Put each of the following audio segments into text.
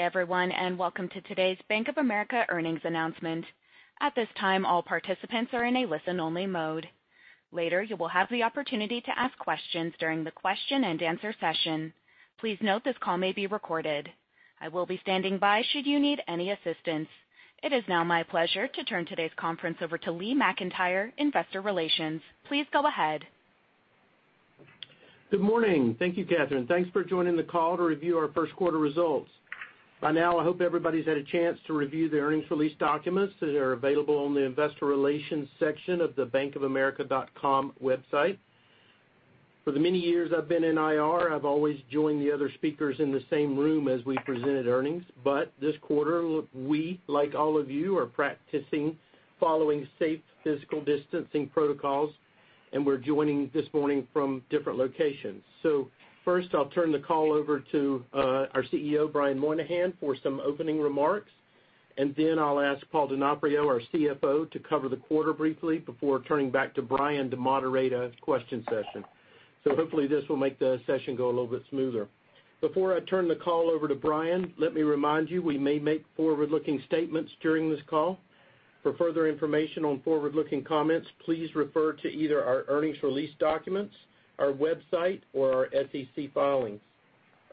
Everyone, welcome to today's Bank of America earnings announcement. At this time, all participants are in a listen-only mode. Later, you will have the opportunity to ask questions during the question and answer session. Please note this call may be recorded. I will be standing by should you need any assistance. It is now my pleasure to turn today's conference over to Lee McEntire, investor relations. Please go ahead. Good morning. Thank you, Catherine. Thanks for joining the call to review our first quarter results. By now, I hope everybody's had a chance to review the earnings release documents that are available on the investor relations section of the bankofamerica.com website. For the many years I've been in IR, I've always joined the other speakers in the same room as we presented earnings. This quarter, we, like all of you, are practicing following safe physical distancing protocols, and we're joining this morning from different locations. First, I'll turn the call over to our CEO, Brian Moynihan, for some opening remarks. I'll ask Paul Donofrio, our CFO, to cover the quarter briefly before turning back to Brian to moderate a question session. Hopefully, this will make the session go a little bit smoother. Before I turn the call over to Brian, let me remind you, we may make forward-looking statements during this call. For further information on forward-looking comments, please refer to either our earnings release documents, our website, or our SEC filings.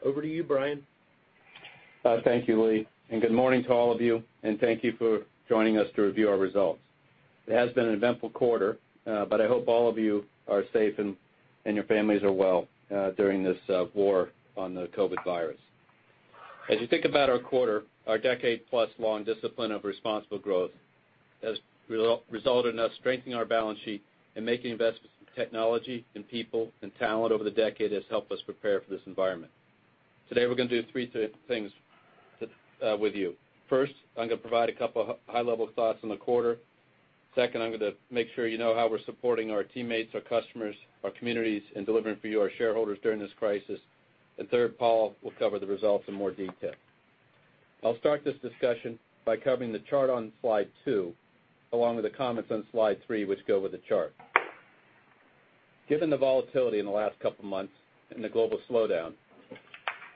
Over to you, Brian. Thank you, Lee. Good morning to all of you, and thank you for joining us to review our results. It has been an eventful quarter, but I hope all of you are safe and your families are well during this war on the COVID virus. As you think about our quarter, our decade-plus-long discipline of responsible growth has resulted in us strengthening our balance sheet and making investments in technology, in people, in talent over the decade has helped us prepare for this environment. Today, we're going to do three things with you. First, I'm going to provide a couple of high-level thoughts on the quarter. Second, I'm going to make sure you know how we're supporting our teammates, our customers, our communities, and delivering for you, our shareholders during this crisis. Third, Paul will cover the results in more detail. I'll start this discussion by covering the chart on slide two, along with the comments on slide three, which go with the chart. Given the volatility in the last couple of months and the global slowdown,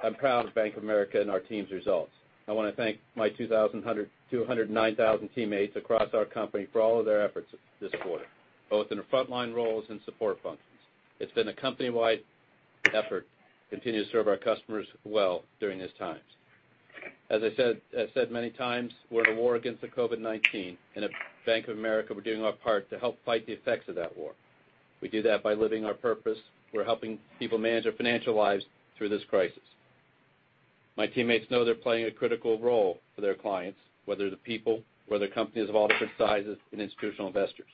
I'm proud of Bank of America and our team's results. I want to thank my 209,000 teammates across our company for all of their efforts this quarter, both in the frontline roles and support functions. It's been a company-wide effort to continue to serve our customers well during these times. As I've said many times, we're in a war against the COVID-19. At Bank of America, we're doing our part to help fight the effects of that war. We do that by living our purpose. We're helping people manage their financial lives through this crisis. My teammates know they're playing a critical role for their clients, whether they're people, whether companies of all different sizes and institutional investors.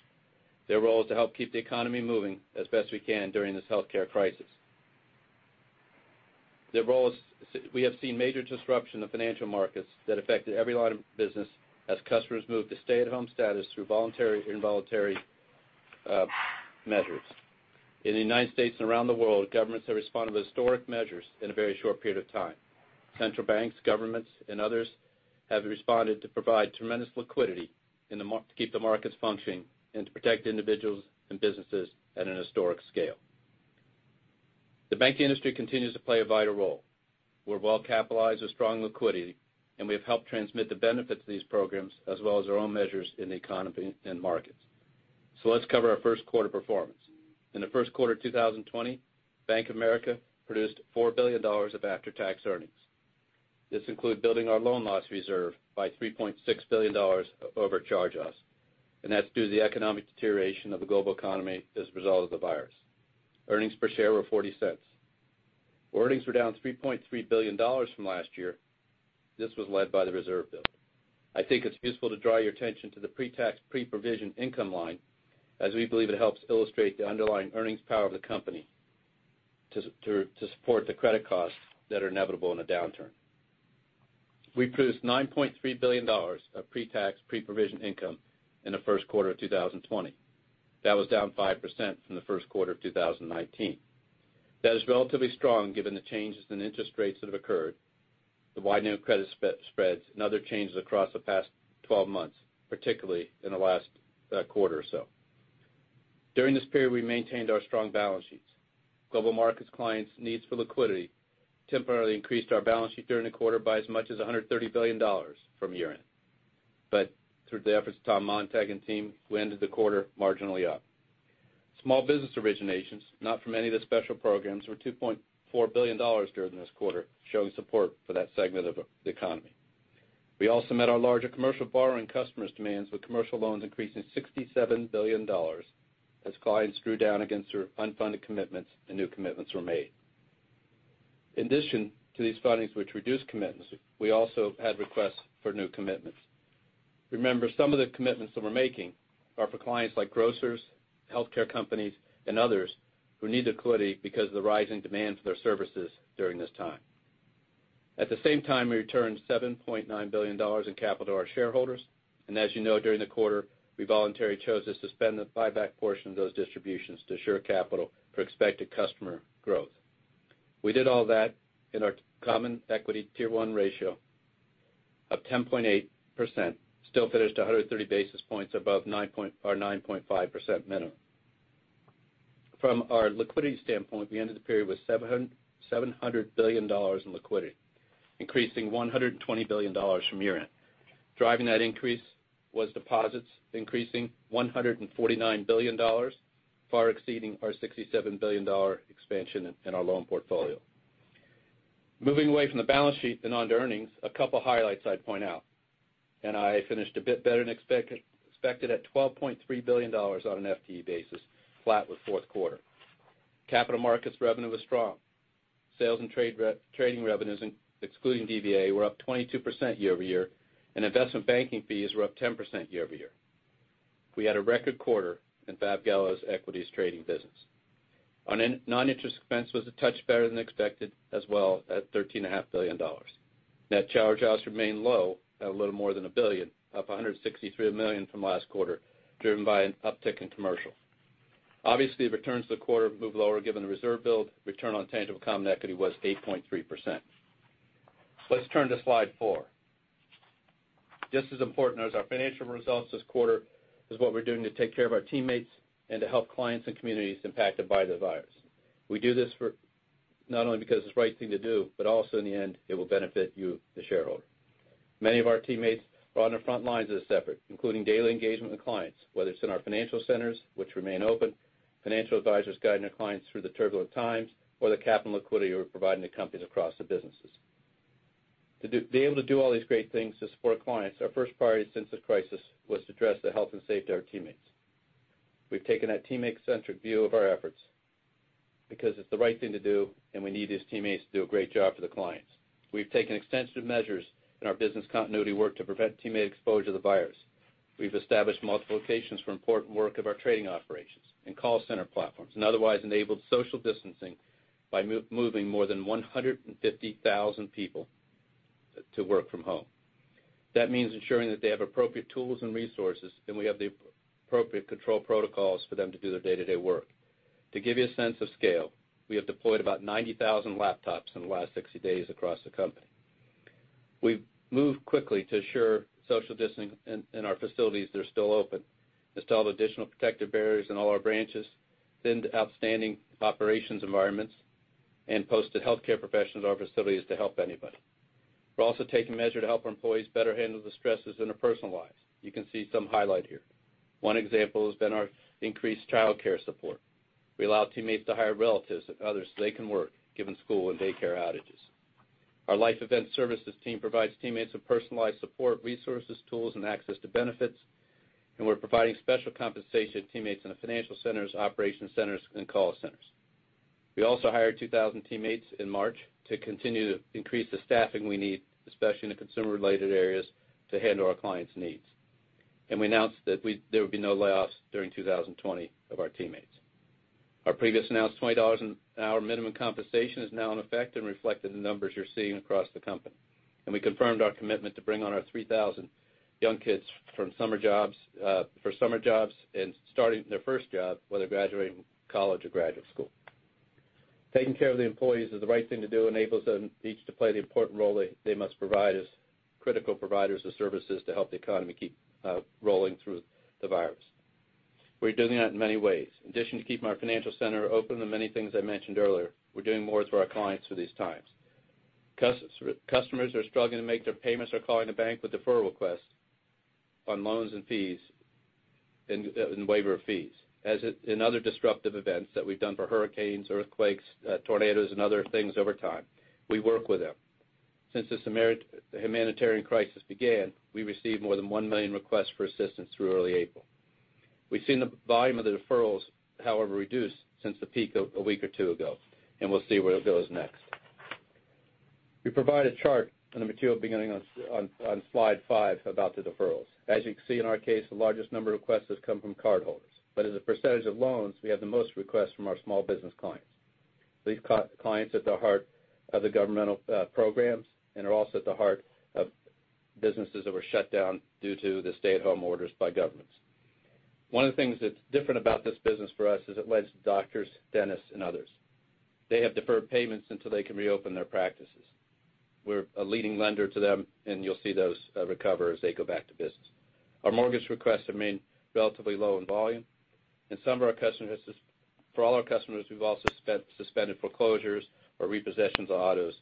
Their role is to help keep the economy moving as best we can during this healthcare crisis. We have seen major disruption of financial markets that affected every line of business as customers moved to stay-at-home status through voluntary, involuntary measures. In the United States and around the world, governments have responded with historic measures in a very short period of time. Central banks, governments, and others have responded to provide tremendous liquidity to keep the markets functioning and to protect individuals and businesses at an historic scale. The banking industry continues to play a vital role. We're well-capitalized with strong liquidity, and we have helped transmit the benefits of these programs as well as our own measures in the economy and markets. Let's cover our first quarter performance. In the first quarter of 2020, Bank of America produced $4 billion of after-tax earnings. This includes building our loan loss reserve by $3.6 billion over charge-offs, and that's due to the economic deterioration of the global economy as a result of the virus. Earnings per share were $0.40. Earnings were down $3.3 billion from last year. This was led by the reserve build. I think it's useful to draw your attention to the pre-tax, pre-provision income line as we believe it helps illustrate the underlying earnings power of the company to support the credit costs that are inevitable in a downturn. We produced $9.3 billion of pre-tax, pre-provision income in the first quarter of 2020. That was down 5% from the first quarter of 2019. That is relatively strong given the changes in interest rates that have occurred, the widening of credit spreads, and other changes across the past 12 months, particularly in the last quarter or so. During this period, we maintained our strong balance sheets. Global Markets clients' needs for liquidity temporarily increased our balance sheet during the quarter by as much as $130 billion from year-end. Through the efforts of Tom Montag and team, we ended the quarter marginally up. Small Business originations, not from any of the special programs, were $2.4 billion during this quarter, showing support for that segment of the economy. We also met our larger commercial borrowing customers' demands, with commercial loans increasing $67 billion as clients drew down against their unfunded commitments and new commitments were made. In addition to these fundings which reduced commitments, we also had requests for new commitments. Remember, some of the commitments that we're making are for clients like grocers, healthcare companies, and others who need liquidity because of the rising demand for their services during this time. At the same time, we returned $7.9 billion in capital to our shareholders. As you know, during the quarter, we voluntarily chose to suspend the buyback portion of those distributions to assure capital for expected customer growth. We did all that in our Common Equity Tier-1 ratio of 10.8%, still finished 130 basis points above our 9.5% minimum. From our liquidity standpoint, we ended the period with $700 billion in liquidity, increasing $120 billion from year-end. Driving that increase was deposits increasing $149 billion, far exceeding our $67 billion expansion in our loan portfolio. Moving away from the balance sheet and onto earnings, a couple highlights I'd point out. NII finished a bit better than expected at $12.3 billion on an FTE basis, flat with fourth quarter. Capital markets revenue was strong. Sales and trading revenues, excluding DVA, were up 22% year-over-year, and investment banking fees were up 10% year-over-year. We had a record quarter in Fab Gallo's equities trading business. Our non-interest expense was a touch better than expected as well at $13.5 billion. Net charge-offs remain low at a little more than $1 billion, up $163 million from last quarter, driven by an uptick in commercial. Obviously, returns to the quarter moved lower given the reserve build. Return on tangible common equity was 8.3%. Let's turn to slide four. Just as important as our financial results this quarter is what we're doing to take care of our teammates and to help clients and communities impacted by the virus. We do this not only because it's the right thing to do, but also in the end, it will benefit you, the shareholder. Many of our teammates are on the front lines of this effort, including daily engagement with clients, whether it's in our financial centers, which remain open, financial advisors guiding our clients through the turbulent times, or the capital liquidity we're providing to companies across the businesses. To be able to do all these great things to support clients, our first priority since this crisis was to address the health and safety of our teammates. We've taken a teammate-centric view of our efforts because it's the right thing to do, and we need these teammates to do a great job for the clients. We've taken extensive measures in our business continuity work to prevent teammate exposure to the virus. We've established multiple locations for important work of our trading operations and call center platforms and otherwise enabled social distancing by moving more than 150,000 people to work from home. That means ensuring that they have appropriate tools and resources, and we have the appropriate control protocols for them to do their day-to-day work. To give you a sense of scale, we have deployed about 90,000 laptops in the last 60 days across the company. We've moved quickly to assure social distancing in our facilities that are still open, installed additional protective barriers in all our branches, thinned out trading operations environments, and posted healthcare professionals in our facilities to help anybody. We're also taking measures to help our employees better handle the stresses in their personal lives. You can see some highlight here. One example has been our increased childcare support. We allow teammates to hire relatives and others so they can work, given school and daycare outages. Our Life Event Services team provides teammates with personalized support, resources, tools, and access to benefits. We're providing special compensation to teammates in the financial centers, operation centers, and call centers. We also hired 2,000 teammates in March to continue to increase the staffing we need, especially in the consumer-related areas, to handle our clients' needs. We announced that there would be no layoffs during 2020 of our teammates. Our previously announced $20 an hour minimum compensation is now in effect and reflected in the numbers you're seeing across the company. We confirmed our commitment to bring on our 3,000 young kids for summer jobs and starting their first job, whether graduating college or graduate school. Taking care of the employees is the right thing to do. It enables them each to play the important role they must provide as critical providers of services to help the economy keep rolling through the virus. We're doing that in many ways. In addition to keeping our financial center open, the many things I mentioned earlier, we're doing more for our clients through these times. Customers who are struggling to make their payments are calling the Bank with deferral requests on loans and waiver of fees. As in other disruptive events that we've done for hurricanes, earthquakes, tornadoes, and other things over time, we work with them. Since this humanitarian crisis began, we received more than 1 million requests for assistance through early April. We've seen the volume of the deferrals, however, reduce since the peak a week or two ago, and we'll see where it goes next. We provide a chart in the material beginning on slide five about the deferrals. As a percentage of loans, we have the most requests from our small business clients. These clients are at the heart of the governmental programs and are also at the heart of businesses that were shut down due to the stay-at-home orders by governments. One of the things that's different about this business for us is it lends to doctors, dentists, and others. They have deferred payments until they can reopen their practices. We're a leading lender to them, and you'll see those recover as they go back to business. Our mortgage requests remain relatively low in volume. For all our customers, we've also suspended foreclosures or repossessions of autos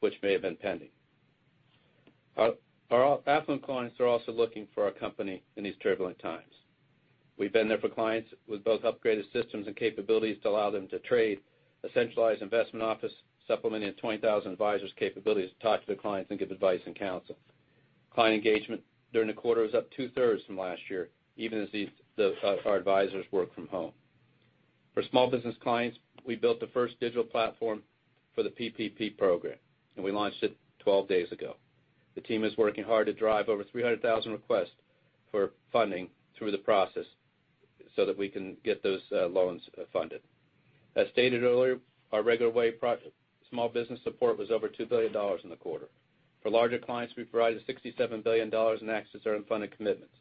which may have been pending. Our affluent clients are also looking for our company in these turbulent times. We've been there for clients with both upgraded systems and capabilities to allow them to trade, a centralized investment office supplementing 20,000 advisors' capabilities to talk to their clients and give advice and counsel. Client engagement during the quarter was up two-thirds from last year, even as our advisors work from home. For small business clients, we built the first digital platform for the PPP program, and we launched it 12 days ago. The team is working hard to drive over 300,000 requests for funding through the process so that we can get those loans funded. As stated earlier, our regular way small business support was over $2 billion in the quarter. For larger clients, we provided $67 billion in accessed unfunded commitments.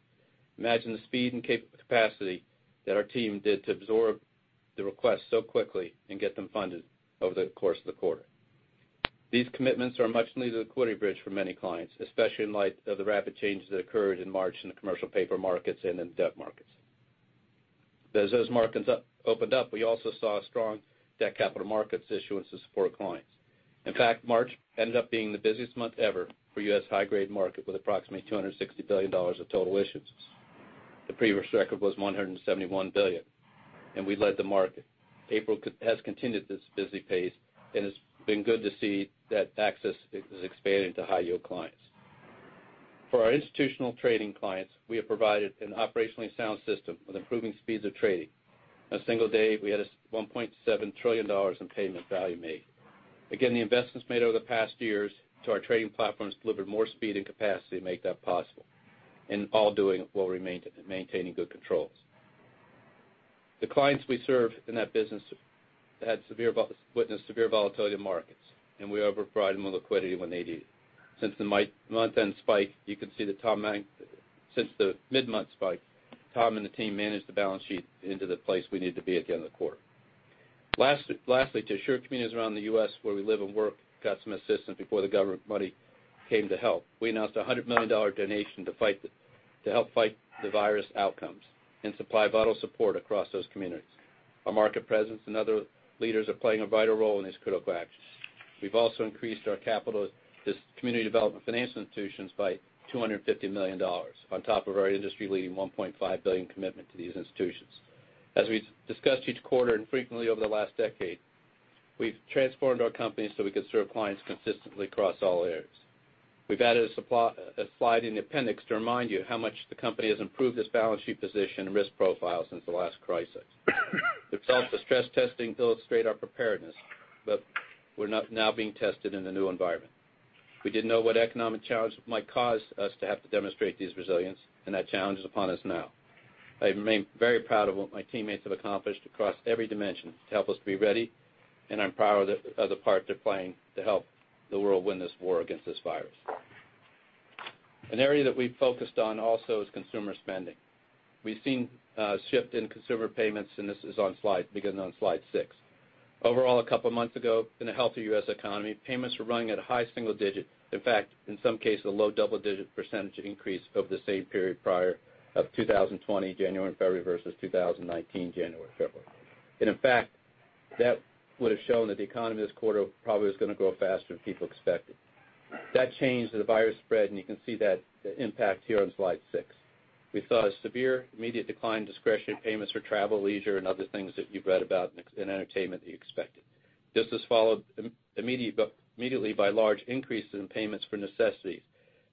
Imagine the speed and capacity that our team did to absorb the requests so quickly and get them funded over the course of the quarter. These commitments are much needed liquidity bridge for many clients, especially in light of the rapid changes that occurred in March in the commercial paper markets and in debt markets. As those markets opened up, we also saw strong debt capital markets issuances for our clients. In fact, March ended up being the busiest month ever for U.S. high-grade market with approximately $260 billion of total issuances. The previous record was $171 billion, and we led the market. April has continued this busy pace, and it's been good to see that access is expanding to high-yield clients. For our institutional trading clients, we have provided an operationally sound system with improving speeds of trading. In a single day, we had a $1.7 trillion in payment value made. Again, the investments made over the past years to our trading platforms delivered more speed and capacity to make that possible, and all doing it while maintaining good controls. The clients we serve in that business witnessed severe volatility in markets, and we have provided them with liquidity when they need it. Since the mid-month spike, Tom and the team managed the balance sheet into the place we need to be at the end of the quarter. Lastly, to ensure communities around the U.S. where we live and work got some assistance before the government money came to help, we announced a $100 million donation to help fight the virus outcomes and supply vital support across those communities. Our market presence and other leaders are playing a vital role in these critical actions. We've also increased our capital to Community Development Financial Institutions by $250 million on top of our industry-leading $1.5 billion commitment to these institutions. As we've discussed each quarter and frequently over the last decade, we've transformed our company so we could serve clients consistently across all areas. We've added a slide in the appendix to remind you how much the company has improved its balance sheet position and risk profile since the last crisis. The results of stress testing illustrate our preparedness, but we're now being tested in the new environment. We didn't know what economic challenge might cause us to have to demonstrate this resilience, and that challenge is upon us now. I remain very proud of what my teammates have accomplished across every dimension to help us be ready, and I'm proud of the part they're playing to help the world win this war against this virus. An area that we've focused on also is consumer spending. We've seen a shift in consumer payments. This begins on slide six. Overall, a couple of months ago, in a healthy U.S. economy, payments were running at a high single digit. In fact, in some cases, a low double-digit % increase over the same period prior of 2020 January and February versus 2019 January and February. In fact, that would've shown that the economy this quarter probably was going to grow faster than people expected. That changed as the virus spread, and you can see the impact here on slide six. We saw a severe immediate decline in discretionary payments for travel, leisure, and other things that you've read about, and entertainment that you expected. This was followed immediately by large increases in payments for necessities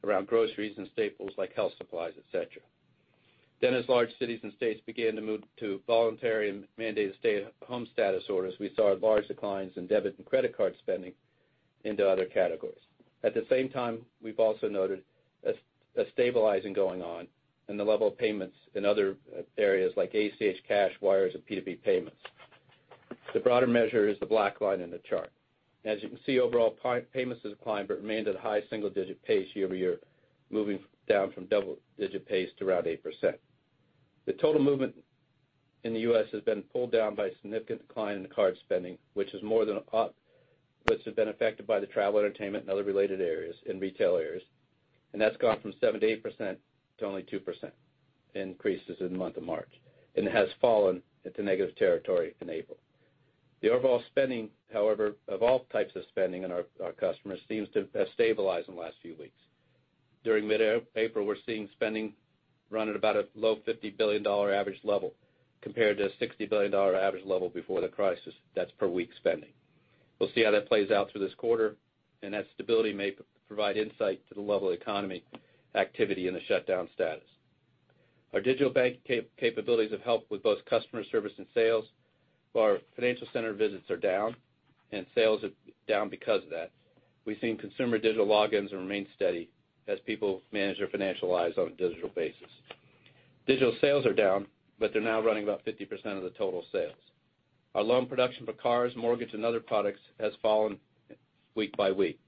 around groceries and staples like health supplies, et cetera. As large cities and states began to move to voluntary and mandated stay-at-home status orders, we saw large declines in debit and credit card spending into other categories. At the same time, we've also noted a stabilizing going on in the level of payments in other areas like ACH, cash, wires, and P2P payments. The broader measure is the black line in the chart. As you can see, overall payments has declined but remained at a high single-digit pace year-over-year, moving down from double-digit pace to around 8%. The total movement in the U.S. has been pulled down by a significant decline in card spending, which has been affected by the travel, entertainment, and other related areas and retail areas. That's gone from 7%-8% to only 2% increases in the month of March, and it has fallen into negative territory in April. The overall spending, however, of all types of spending in our customers seems to have stabilized in the last few weeks. During mid-April, we're seeing spending run at about a low $50 billion average level compared to a $60 billion average level before the crisis. That's per week spending. We'll see how that plays out through this quarter, and that stability may provide insight to the level of economic activity in the shutdown status. Our digital bank capabilities have helped with both customer service and sales, but our financial center visits are down and sales are down because of that. We've seen consumer digital logins remain steady as people manage their financial lives on a digital basis. Digital sales are down, but they're now running about 50% of the total sales. Our loan production for cars, mortgage, and other products has fallen week by week.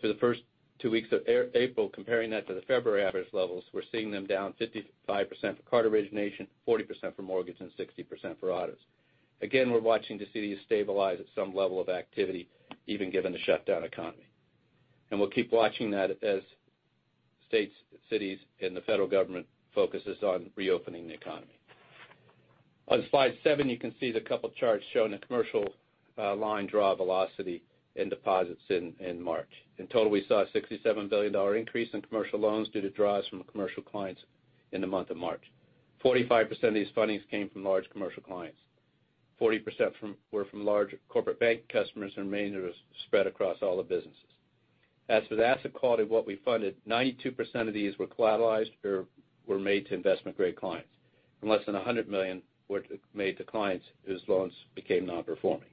Through the first two weeks of April, comparing that to the February average levels, we're seeing them down 55% for card origination, 40% for mortgage, and 60% for autos. We're watching to see these stabilize at some level of activity even given the shutdown economy. We'll keep watching that as states, cities, and the Federal government focuses on reopening the economy. On slide seven, you can see the couple charts showing the commercial line draw velocity in deposits in March. In total, we saw a $67 billion increase in commercial loans due to draws from commercial clients in the month of March. 45% of these fundings came from large commercial clients. 40% were from large corporate bank customers, the remainder was spread across all the businesses. As for the asset quality of what we funded, 92% of these were collateralized or were made to investment-grade clients, and less than $100 million were made to clients whose loans became non-performing.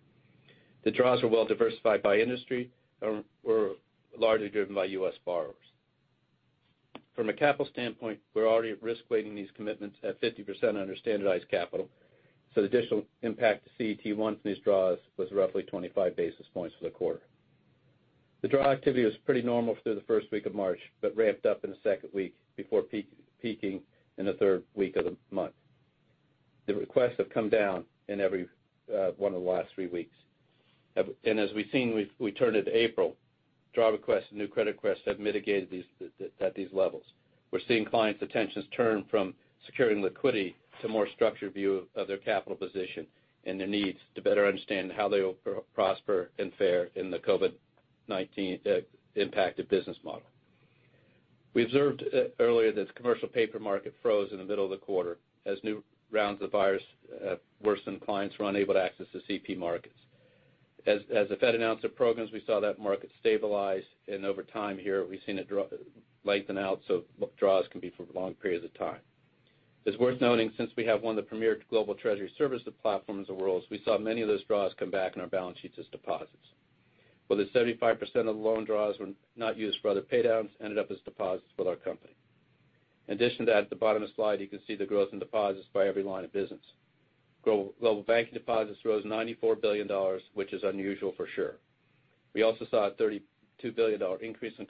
The draws were well diversified by industry and were largely driven by U.S. borrowers. From a capital standpoint, we're already risk weighting these commitments at 50% under standardized capital, the additional impact to CET1 from these draws was roughly 25 basis points for the quarter. The draw activity was pretty normal through the first week of March, ramped up in the second week before peaking in the third week of the month. The requests have come down in every one of the last three weeks. As we've seen, we turn into April, draw requests and new credit requests have mitigated at these levels. We're seeing clients' attentions turn from securing liquidity to more structured view of their capital position and their needs to better understand how they will prosper and fare in the COVID-19 impacted business model. We observed earlier that the commercial paper market froze in the middle of the quarter as new rounds of the virus worsened, clients were unable to access the CP markets. The Fed announced their programs, we saw that market stabilize, and over time here, we've seen it lengthen out, so draws can be for long periods of time. It's worth noting, since we have one of the premier global treasury services platforms in the world, we saw many of those draws come back on our balance sheets as deposits. The 75% of the loan draws were not used for other pay downs, ended up as deposits with our company. In addition to that, at the bottom of the slide, you can see the growth in deposits by every line of business. Global Banking deposits rose $94 billion, which is unusual for sure. We also saw a $32 billion increase in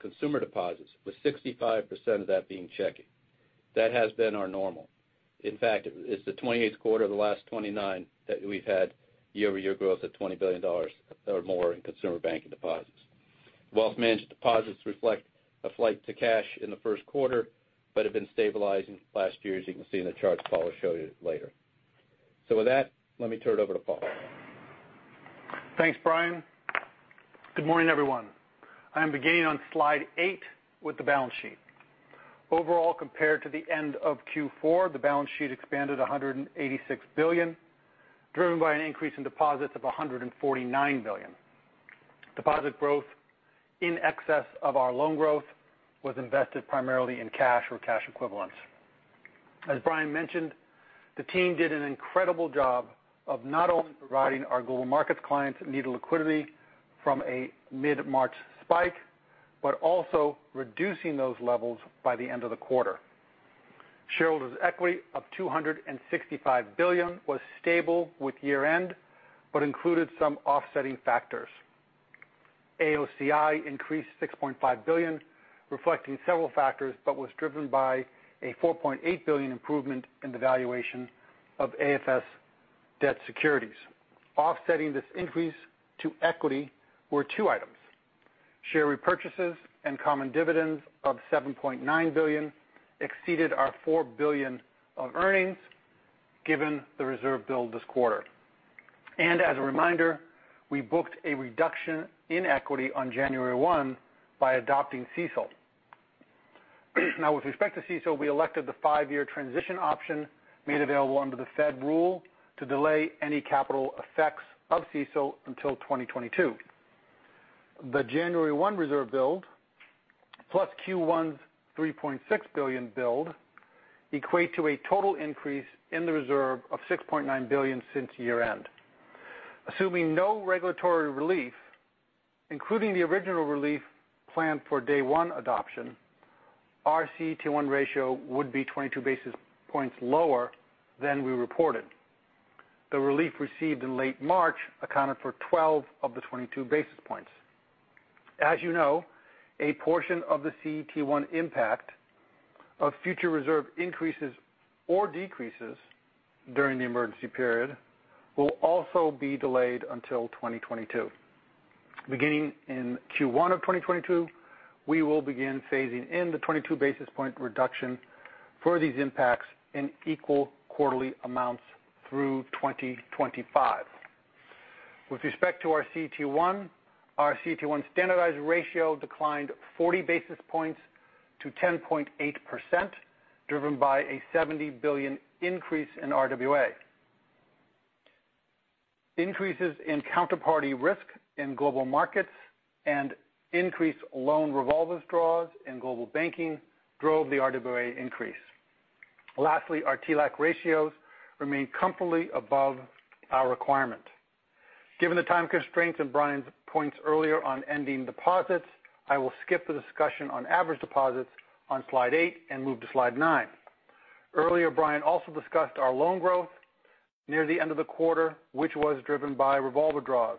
consumer deposits, with 65% of that being checking. That has been our normal. In fact, it's the 28th quarter of the last 29 that we've had year-over-year growth at $20 billion or more in Consumer Banking deposits. Wealth managed deposits reflect a flight to cash in the first quarter, but have been stabilizing last year, as you can see in the charts Paul will show you later. With that, let me turn it over to Paul. Thanks, Brian. Good morning, everyone. I am beginning on slide eight with the balance sheet. Overall, compared to the end of Q4, the balance sheet expanded $186 billion, driven by an increase in deposits of $149 billion. Deposit growth in excess of our loan growth was invested primarily in cash or cash equivalents. As Brian mentioned, the team did an incredible job of not only providing our Global Markets clients that needed liquidity from a mid-March spike, also reducing those levels by the end of the quarter. Shareholders' equity of $265 billion was stable with year-end, included some offsetting factors. AOCI increased $6.5 billion, reflecting several factors, was driven by a $4.8 billion improvement in the valuation of AFS debt securities. Offsetting this increase to equity were two items. Share repurchases and common dividends of $7.9 billion exceeded our $4 billion of earnings, given the reserve build this quarter. As a reminder, we booked a reduction in equity on January 1 by adopting CECL. Now, with respect to CECL, we elected the five-year transition option made available under the Fed rule to delay any capital effects of CECL until 2022. The January 1 reserve build plus Q1's $3.6 billion build equate to a total increase in the reserve of $6.9 billion since year-end. Assuming no regulatory relief, including the original relief planned for day one adoption, our CET1 ratio would be 22 basis points lower than we reported. The relief received in late March accounted for 12 of the 22 basis points. As you know, a portion of the CET1 impact of future reserve increases or decreases during the emergency period will also be delayed until 2022. Beginning in Q1 of 2022, we will begin phasing in the 22 basis point reduction for these impacts in equal quarterly amounts through 2025. With respect to our CET1, our CET1 standardized ratio declined 40 basis points to 10.8%, driven by a $70 billion increase in RWA. Increases in counterparty risk in Global Markets and increased loan revolver draws in Global Banking drove the RWA increase. Lastly, our TLAC ratios remain comfortably above our requirement. Given the time constraints and Brian's points earlier on ending deposits, I will skip the discussion on average deposits on slide eight and move to slide nine. Earlier, Brian also discussed our loan growth near the end of the quarter, which was driven by revolver draws.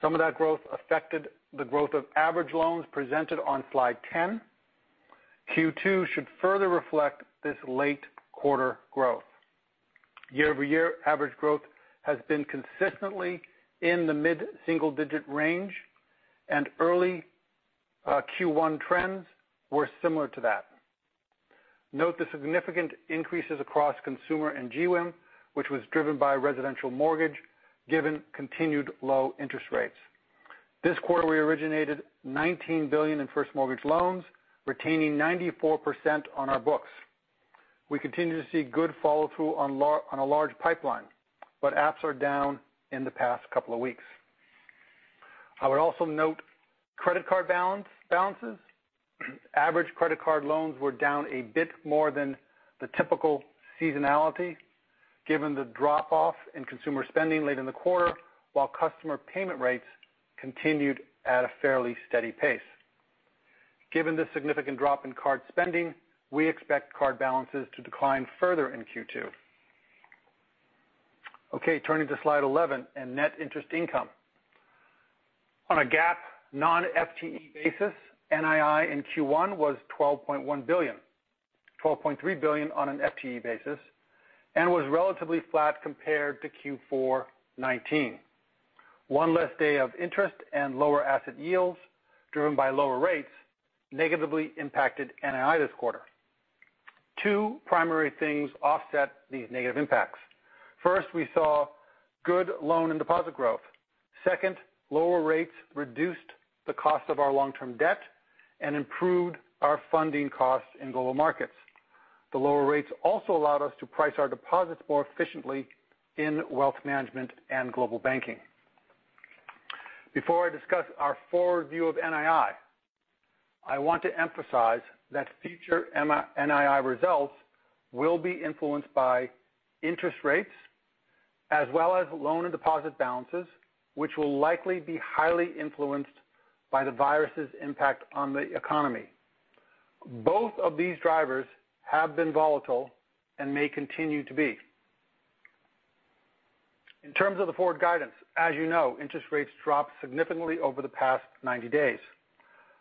Some of that growth affected the growth of average loans presented on slide 10. Q2 should further reflect this late quarter growth. Year-over-year average growth has been consistently in the mid-single digit range, and early Q1 trends were similar to that. Note the significant increases across consumer and GWIM, which was driven by residential mortgage, given continued low interest rates. This quarter, we originated $19 billion in first mortgage loans, retaining 94% on our books. We continue to see good follow-through on a large pipeline, but apps are down in the past couple of weeks. I would also note credit card balances. Average credit card loans were down a bit more than the typical seasonality given the drop-off in consumer spending late in the quarter, while customer payment rates continued at a fairly steady pace. Given the significant drop in card spending, we expect card balances to decline further in Q2. Okay, turning to slide 11 and net interest income. On a GAAP non-FTE basis, NII in Q1 was $12.1 billion, $12.3 billion on an FTE basis, and was relatively flat compared to Q4 2019. One less day of interest and lower asset yields, driven by lower rates, negatively impacted NII this quarter. Two primary things offset these negative impacts. First, we saw good loan and deposit growth. Second, lower rates reduced the cost of our long-term debt and improved our funding costs in Global Markets. The lower rates also allowed us to price our deposits more efficiently in Wealth Management and Global Banking. Before I discuss our forward view of NII, I want to emphasize that future NII results will be influenced by interest rates as well as loan and deposit balances, which will likely be highly influenced by the virus's impact on the economy. Both of these drivers have been volatile and may continue to be. In terms of the forward guidance, as you know, interest rates dropped significantly over the past 90 days.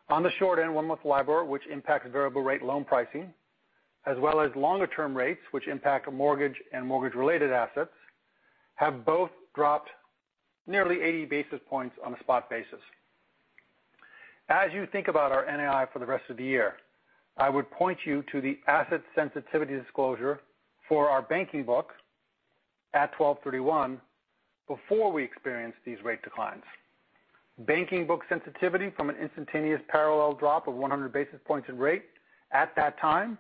On the short end, one-month LIBOR, which impacts variable rate loan pricing, as well as longer-term rates, which impact mortgage and mortgage-related assets, have both dropped nearly 80 basis points on a spot basis. As you think about our NII for the rest of the year, I would point you to the asset sensitivity disclosure for our banking book at 12/31 before we experienced these rate declines. Banking book sensitivity from an instantaneous parallel drop of 100 basis points in rate at that time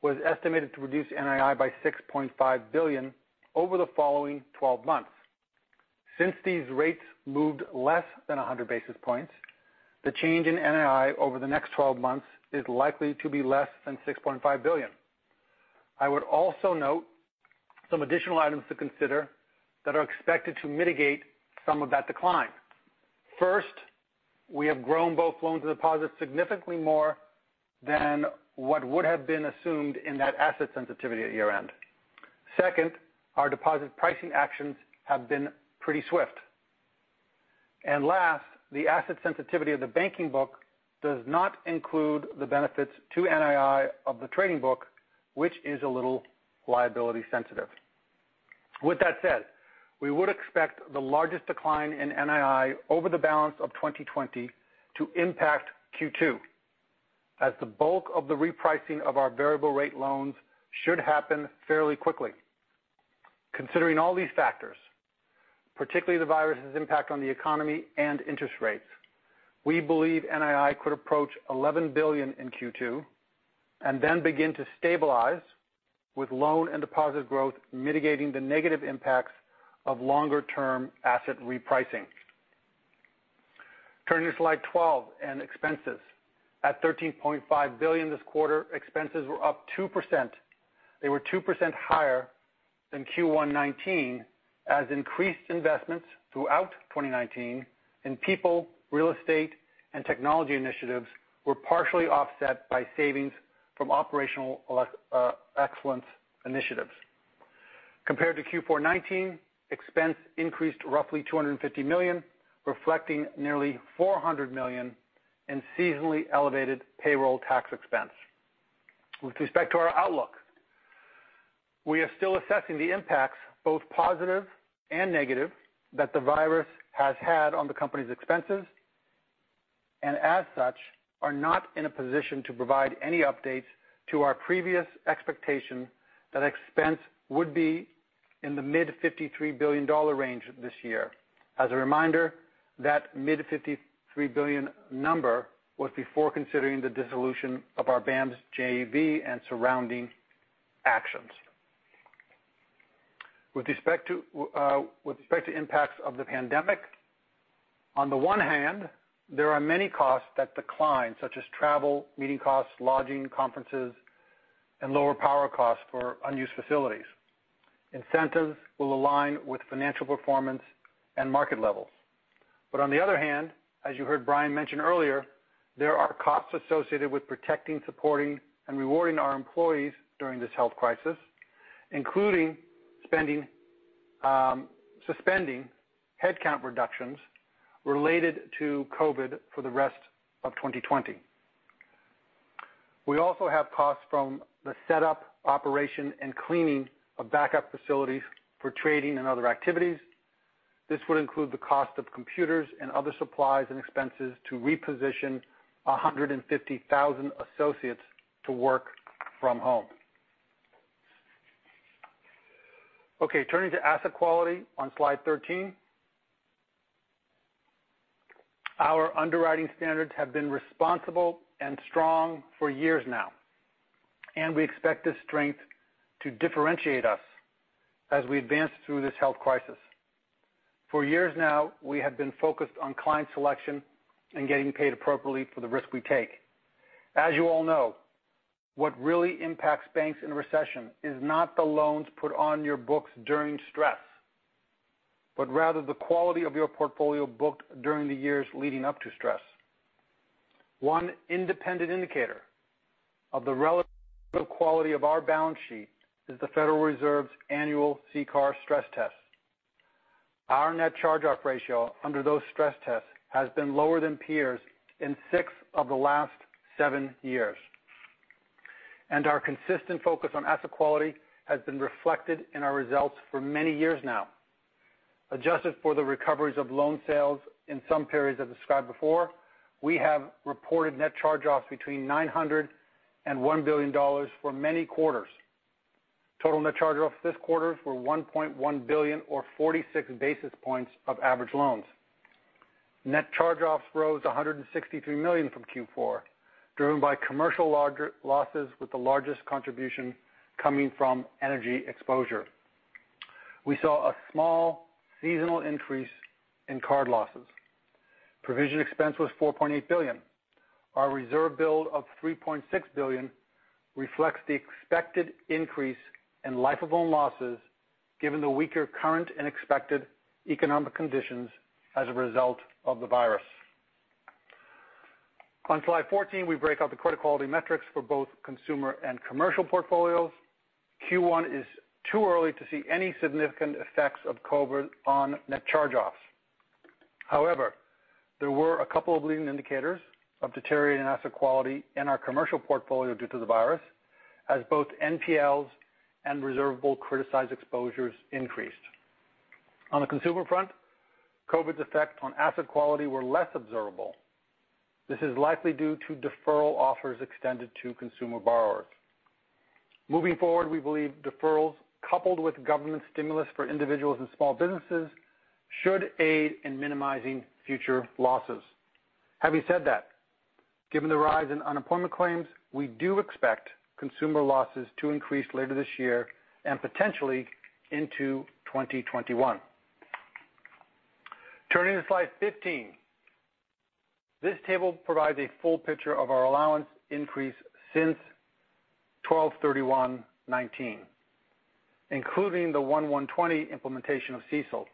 was estimated to reduce NII by $6.5 billion over the following 12 months. Since these rates moved less than 100 basis points, the change in NII over the next 12 months is likely to be less than $6.5 billion. I would also note some additional items to consider that are expected to mitigate some of that decline. First, we have grown both loans and deposits significantly more than what would have been assumed in that asset sensitivity at year-end. Second, our deposit pricing actions have been pretty swift. Last, the asset sensitivity of the banking book does not include the benefits to NII of the trading book, which is a little liability sensitive. With that said, we would expect the largest decline in NII over the balance of 2020 to impact Q2, as the bulk of the repricing of our variable rate loans should happen fairly quickly. Considering all these factors, particularly the virus's impact on the economy and interest rates, we believe NII could approach $11 billion in Q2 and then begin to stabilize with loan and deposit growth mitigating the negative impacts of longer-term asset repricing. Turning to slide 12 and expenses. At $13.5 billion this quarter, expenses were up 2%. They were 2% higher than Q1 2019, as increased investments throughout 2019 in people, real estate, and technology initiatives were partially offset by savings from operational excellence initiatives. Compared to Q4 2019, expense increased roughly $250 million, reflecting nearly $400 million in seasonally elevated payroll tax expense. With respect to our outlook, we are still assessing the impacts, both positive and negative, that the virus has had on the company's expenses, and as such, are not in a position to provide any updates to our previous expectation that expense would be in the mid $53 billion range this year. As a reminder, that mid $53 billion number was before considering the dissolution of our BAMS JV and surrounding actions. With respect to impacts of the pandemic, on the one hand, there are many costs that decline, such as travel, meeting costs, lodging, conferences, and lower power costs for unused facilities. Incentives will align with financial performance and market levels. On the other hand, as you heard Brian mention earlier, there are costs associated with protecting, supporting, and rewarding our employees during this health crisis, including suspending headcount reductions related to COVID for the rest of 2020. We also have costs from the setup, operation, and cleaning of backup facilities for trading and other activities. This would include the cost of computers and other supplies and expenses to reposition 150,000 associates to work from home. Okay, turning to asset quality on slide 13. Our underwriting standards have been responsible and strong for years now, and we expect this strength to differentiate us as we advance through this health crisis. For years now, we have been focused on client selection and getting paid appropriately for the risk we take. As you all know, what really impacts banks in a recession is not the loans put on your books during stress, but rather the quality of your portfolio booked during the years leading up to stress. One independent indicator of the relative quality of our balance sheet is the Federal Reserve's annual CCAR stress test. Our net charge-off ratio under those stress tests has been lower than peers in six of the last seven years. Our consistent focus on asset quality has been reflected in our results for many years now. Adjusted for the recoveries of loan sales in some periods as described before, we have reported net charge-offs between $900 and $1 billion for many quarters. Total net charge-offs this quarter were $1.1 billion or 46 basis points of average loans. Net charge-offs rose $163 million from Q4, driven by commercial losses, with the largest contribution coming from energy exposure. We saw a small seasonal increase in card losses. Provision expense was $4.8 billion. Our reserve build of $3.6 billion reflects the expected increase in life of loan losses given the weaker current and expected economic conditions as a result of the virus. On slide 14, we break out the credit quality metrics for both consumer and commercial portfolios. Q1 is too early to see any significant effects of COVID on net charge-offs. There were a couple of leading indicators of deteriorating asset quality in our commercial portfolio due to the virus, as both NPLs and reservable criticized exposures increased. On the consumer front, COVID's effects on asset quality were less observable. This is likely due to deferral offers extended to consumer borrowers. Moving forward, we believe deferrals, coupled with government stimulus for individuals and small businesses, should aid in minimizing future losses. Having said that, given the rise in unemployment claims, we do expect consumer losses to increase later this year and potentially into 2021. Turning to slide 15. This table provides a full picture of our allowance increase since 12/31/2019, including the 1/1/2020 implementation of CECL,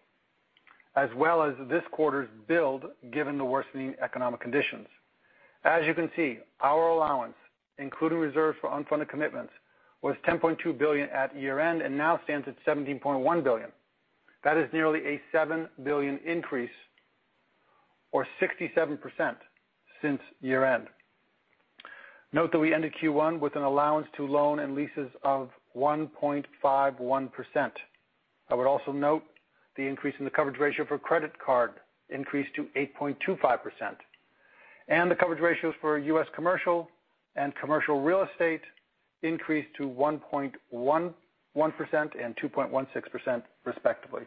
as well as this quarter's build given the worsening economic conditions. As you can see, our allowance, including reserves for unfunded commitments, was $10.2 billion at year-end and now stands at $17.1 billion. That is nearly a $7 billion increase, or 67%, since year-end. Note that we ended Q1 with an allowance to loan and leases of 1.51%. I would also note the increase in the coverage ratio for credit card increased to 8.25%. The coverage ratios for U.S. commercial and commercial real estate increased to 1.11% and 2.16%, respectively.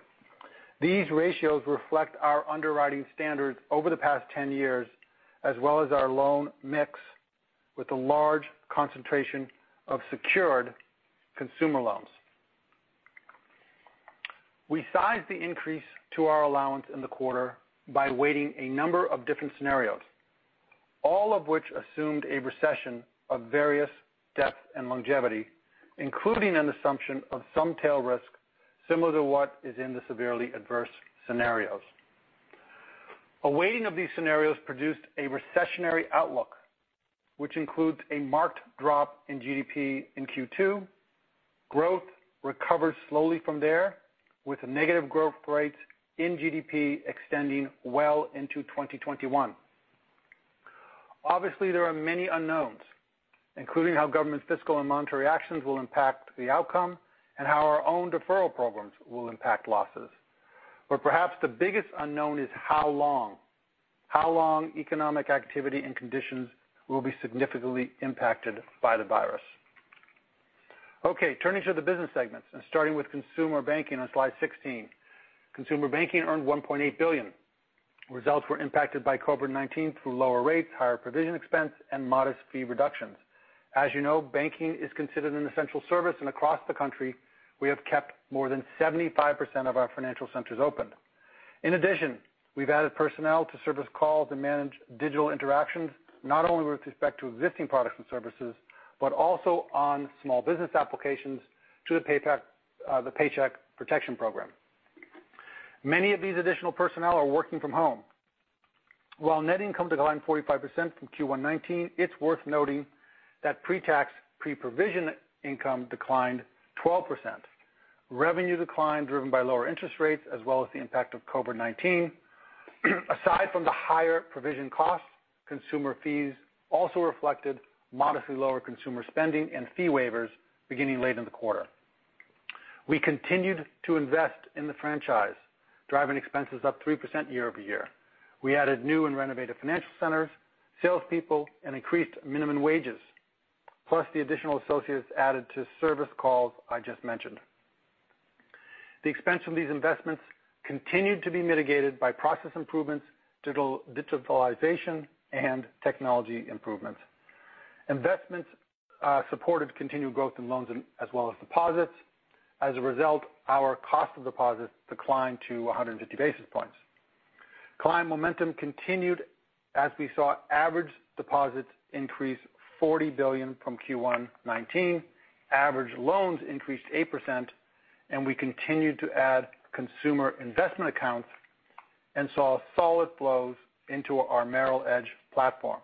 These ratios reflect our underwriting standards over the past 10 years, as well as our loan mix with a large concentration of secured consumer loans. We sized the increase to our allowance in the quarter by weighting a number of different scenarios, all of which assumed a recession of various depth and longevity, including an assumption of some tail risk similar to what is in the severely adverse scenarios. A weighting of these scenarios produced a recessionary outlook, which includes a marked drop in GDP in Q2. Growth recovers slowly from there, with negative growth rates in GDP extending well into 2021. Obviously, there are many unknowns, including how government's fiscal and monetary actions will impact the outcome and how our own deferral programs will impact losses. Perhaps the biggest unknown is how long economic activity and conditions will be significantly impacted by the virus. Turning to the business segments and starting with Consumer Banking on slide 16. Consumer Banking earned $1.8 billion. Results were impacted by COVID-19 through lower rates, higher provision expense, and modest fee reductions. As you know, banking is considered an essential service, and across the country, we have kept more than 75% of our financial centers open. In addition, we've added personnel to service calls and manage digital interactions, not only with respect to existing products and services, but also on small business applications to the Paycheck Protection Program. Many of these additional personnel are working from home. While net income declined 45% from Q1 2019, it's worth noting that pre-tax, pre-provision income declined 12%. Revenue declined, driven by lower interest rates as well as the impact of COVID-19. Aside from the higher provision costs, consumer fees also reflected modestly lower consumer spending and fee waivers beginning late in the quarter. We continued to invest in the franchise, driving expenses up 3% year-over-year. We added new and renovated financial centers, salespeople, and increased minimum wages, plus the additional associates added to service calls I just mentioned. The expense from these investments continued to be mitigated by process improvements, digitalization, and technology improvements. Investments supported continued growth in loans as well as deposits. As a result, our cost of deposits declined to 150 basis points. Client momentum continued as we saw average deposits increase $40 billion from Q1-2019. Average loans increased 8%. We continued to add consumer investment accounts and saw solid flows into our Merrill Edge platform.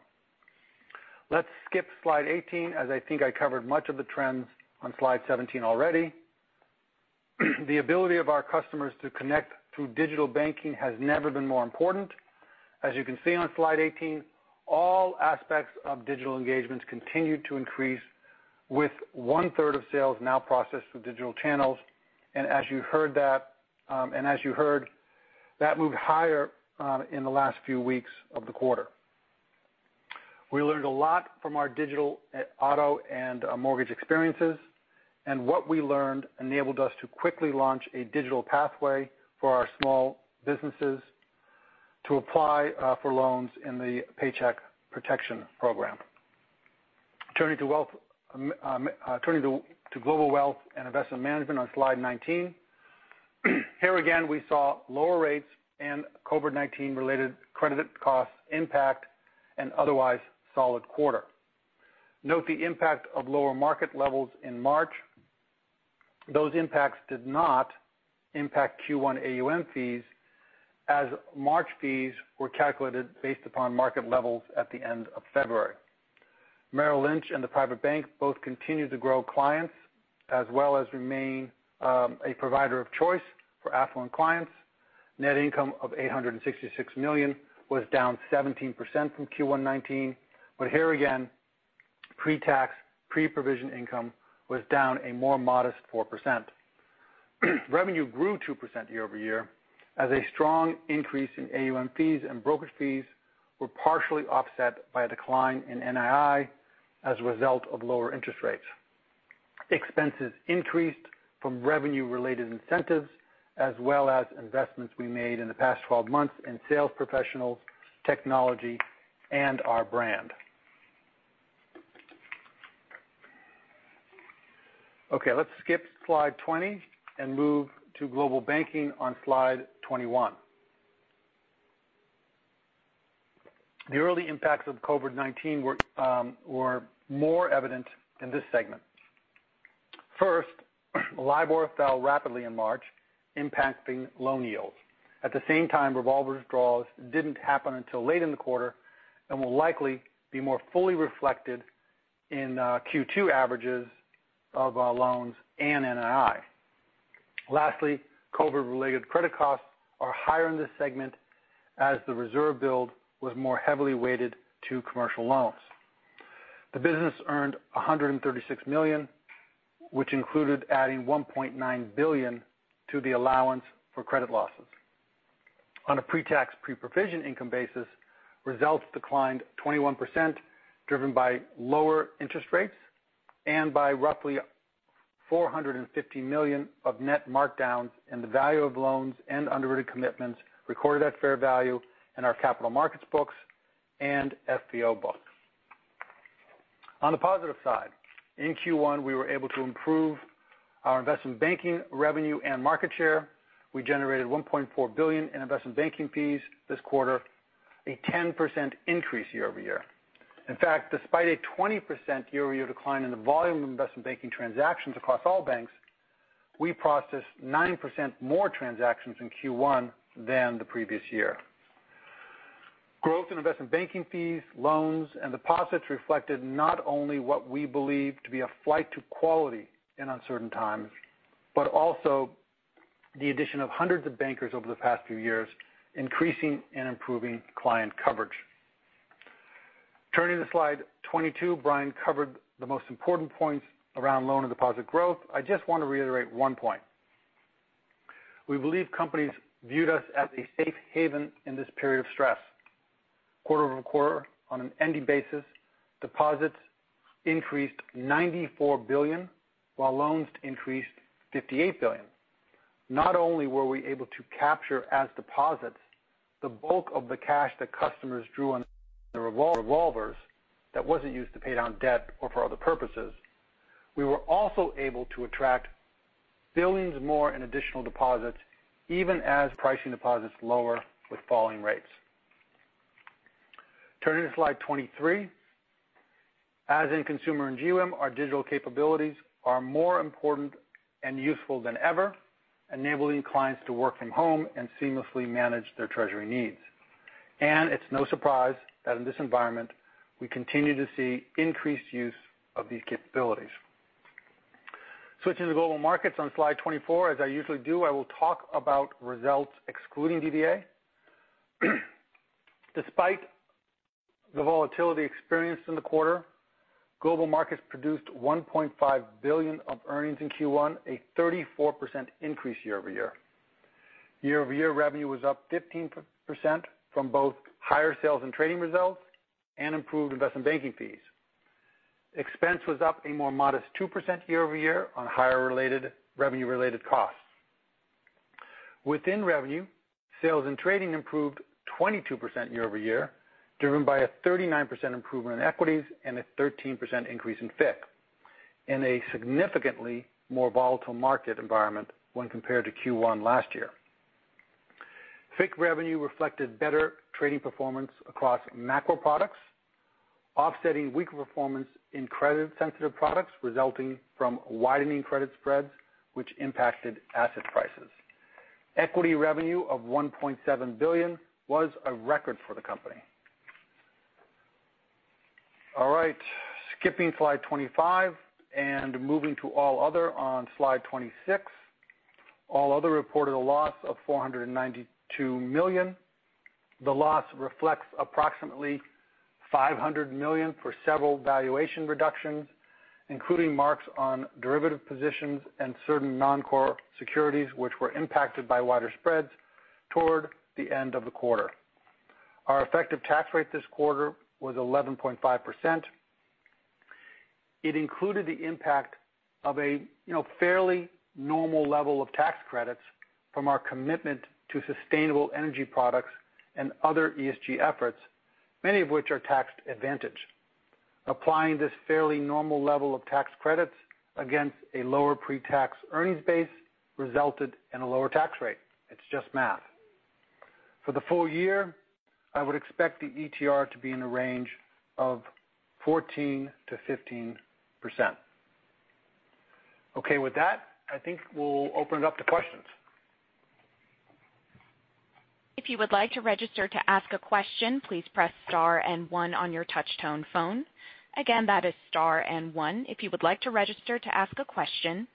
Let's skip slide 18 as I think I covered much of the trends on slide 17 already. The ability of our customers to connect through digital banking has never been more important. As you can see on slide 18, all aspects of digital engagements continued to increase with one-third of sales now processed through digital channels. As you heard, that moved higher in the last few weeks of the quarter. We learned a lot from our digital auto and our mortgage experiences, and what we learned enabled us to quickly launch a digital pathway for our small businesses to apply for loans in the Paycheck Protection Program. Turning to Global Wealth and Investment Management on slide 19. Here again, we saw lower rates and COVID-19 related credit costs impact an otherwise solid quarter. Note the impact of lower market levels in March. Those impacts did not impact Q1 AUM fees, as March fees were calculated based upon market levels at the end of February. Merrill Lynch and The Private Bank both continued to grow clients, as well as remain a provider of choice for affluent clients. Net income of $866 million was down 17% from Q1 2019. Here again, pre-tax, pre-provision income was down a more modest 4%. Revenue grew 2% year-over-year, as a strong increase in AUM fees and brokerage fees were partially offset by a decline in NII as a result of lower interest rates. Expenses increased from revenue-related incentives, as well as investments we made in the past 12 months in sales professionals, technology, and our brand. Okay, let's skip slide 20 and move to Global Banking on slide 21. The early impacts of COVID-19 were more evident in this segment. First, LIBOR fell rapidly in March, impacting loan yields. At the same time, revolver withdrawals didn't happen until late in the quarter and will likely be more fully reflected in Q2 averages of our loans and NII. Lastly, COVID-related credit costs are higher in this segment as the reserve build was more heavily weighted to commercial loans. The business earned $136 million, which included adding $1.9 billion to the allowance for credit losses. On a pre-tax, pre-provision income basis, results declined 21%, driven by lower interest rates and by roughly $450 million of net markdowns in the value of loans and underwritten commitments recorded at fair value in our capital markets books and FVO books. On the positive side, in Q1, we were able to improve our investment banking revenue and market share. We generated $1.4 billion in investment banking fees this quarter, a 10% increase year-over-year. In fact, despite a 20% year-over-year decline in the volume of investment banking transactions across all banks, we processed 9% more transactions in Q1 than the previous year. Growth in investment banking fees, loans, and deposits reflected not only what we believe to be a flight to quality in uncertain times, but also the addition of hundreds of bankers over the past few years, increasing and improving client coverage. Turning to slide 22, Brian covered the most important points around loan and deposit growth. I just want to reiterate one point. We believe companies viewed us as a safe haven in this period of stress. Quarter-over-quarter on an ending basis, deposits increased $94 billion, while loans increased $58 billion. Not only were we able to capture as deposits the bulk of the cash that customers drew on the revolvers that wasn't used to pay down debt or for other purposes, we were also able to attract billions more in additional deposits even as pricing deposits lower with falling rates. Turning to slide 23. As in Consumer and GWIM, our digital capabilities are more important and useful than ever, enabling clients to work from home and seamlessly manage their treasury needs. It's no surprise that in this environment, we continue to see increased use of these capabilities. Switching to Global Markets on slide 24, as I usually do, I will talk about results excluding DVA. Despite the volatility experienced in the quarter, Global Markets produced $1.5 billion of earnings in Q1, a 34% increase year-over-year. Year-over-year revenue was up 15% from both higher Sales and Trading results and improved Investment Banking fees. Expense was up a more modest 2% year-over-year on higher revenue-related costs. Within revenue, Sales and Trading improved 22% year-over-year, driven by a 39% improvement in Equities and a 13% increase in FICC in a significantly more volatile market environment when compared to Q1 last year. FICC revenue reflected better trading performance across macro products, offsetting weaker performance in credit-sensitive products resulting from widening credit spreads which impacted asset prices. Equity revenue of $1.7 billion was a record for the company. All right, skipping slide 25 and moving to all other on slide 26. All other reported a loss of $492 million. The loss reflects approximately $500 million for several valuation reductions, including marks on derivative positions and certain non-core securities which were impacted by wider spreads toward the end of the quarter. Our effective tax rate this quarter was 11.5%. It included the impact of a fairly normal level of tax credits from our commitment to sustainable energy products and other ESG efforts, many of which are tax advantaged. Applying this fairly normal level of tax credits against a lower pre-tax earnings base resulted in a lower tax rate. It's just math. For the full year, I would expect the ETR to be in the range of 14%-15%. Okay. With that, I think we'll open it up to questions. If you would like to register to ask a question, please press star and one on your touch tone phone. Again, that is star and one if you would like to register to ask a question.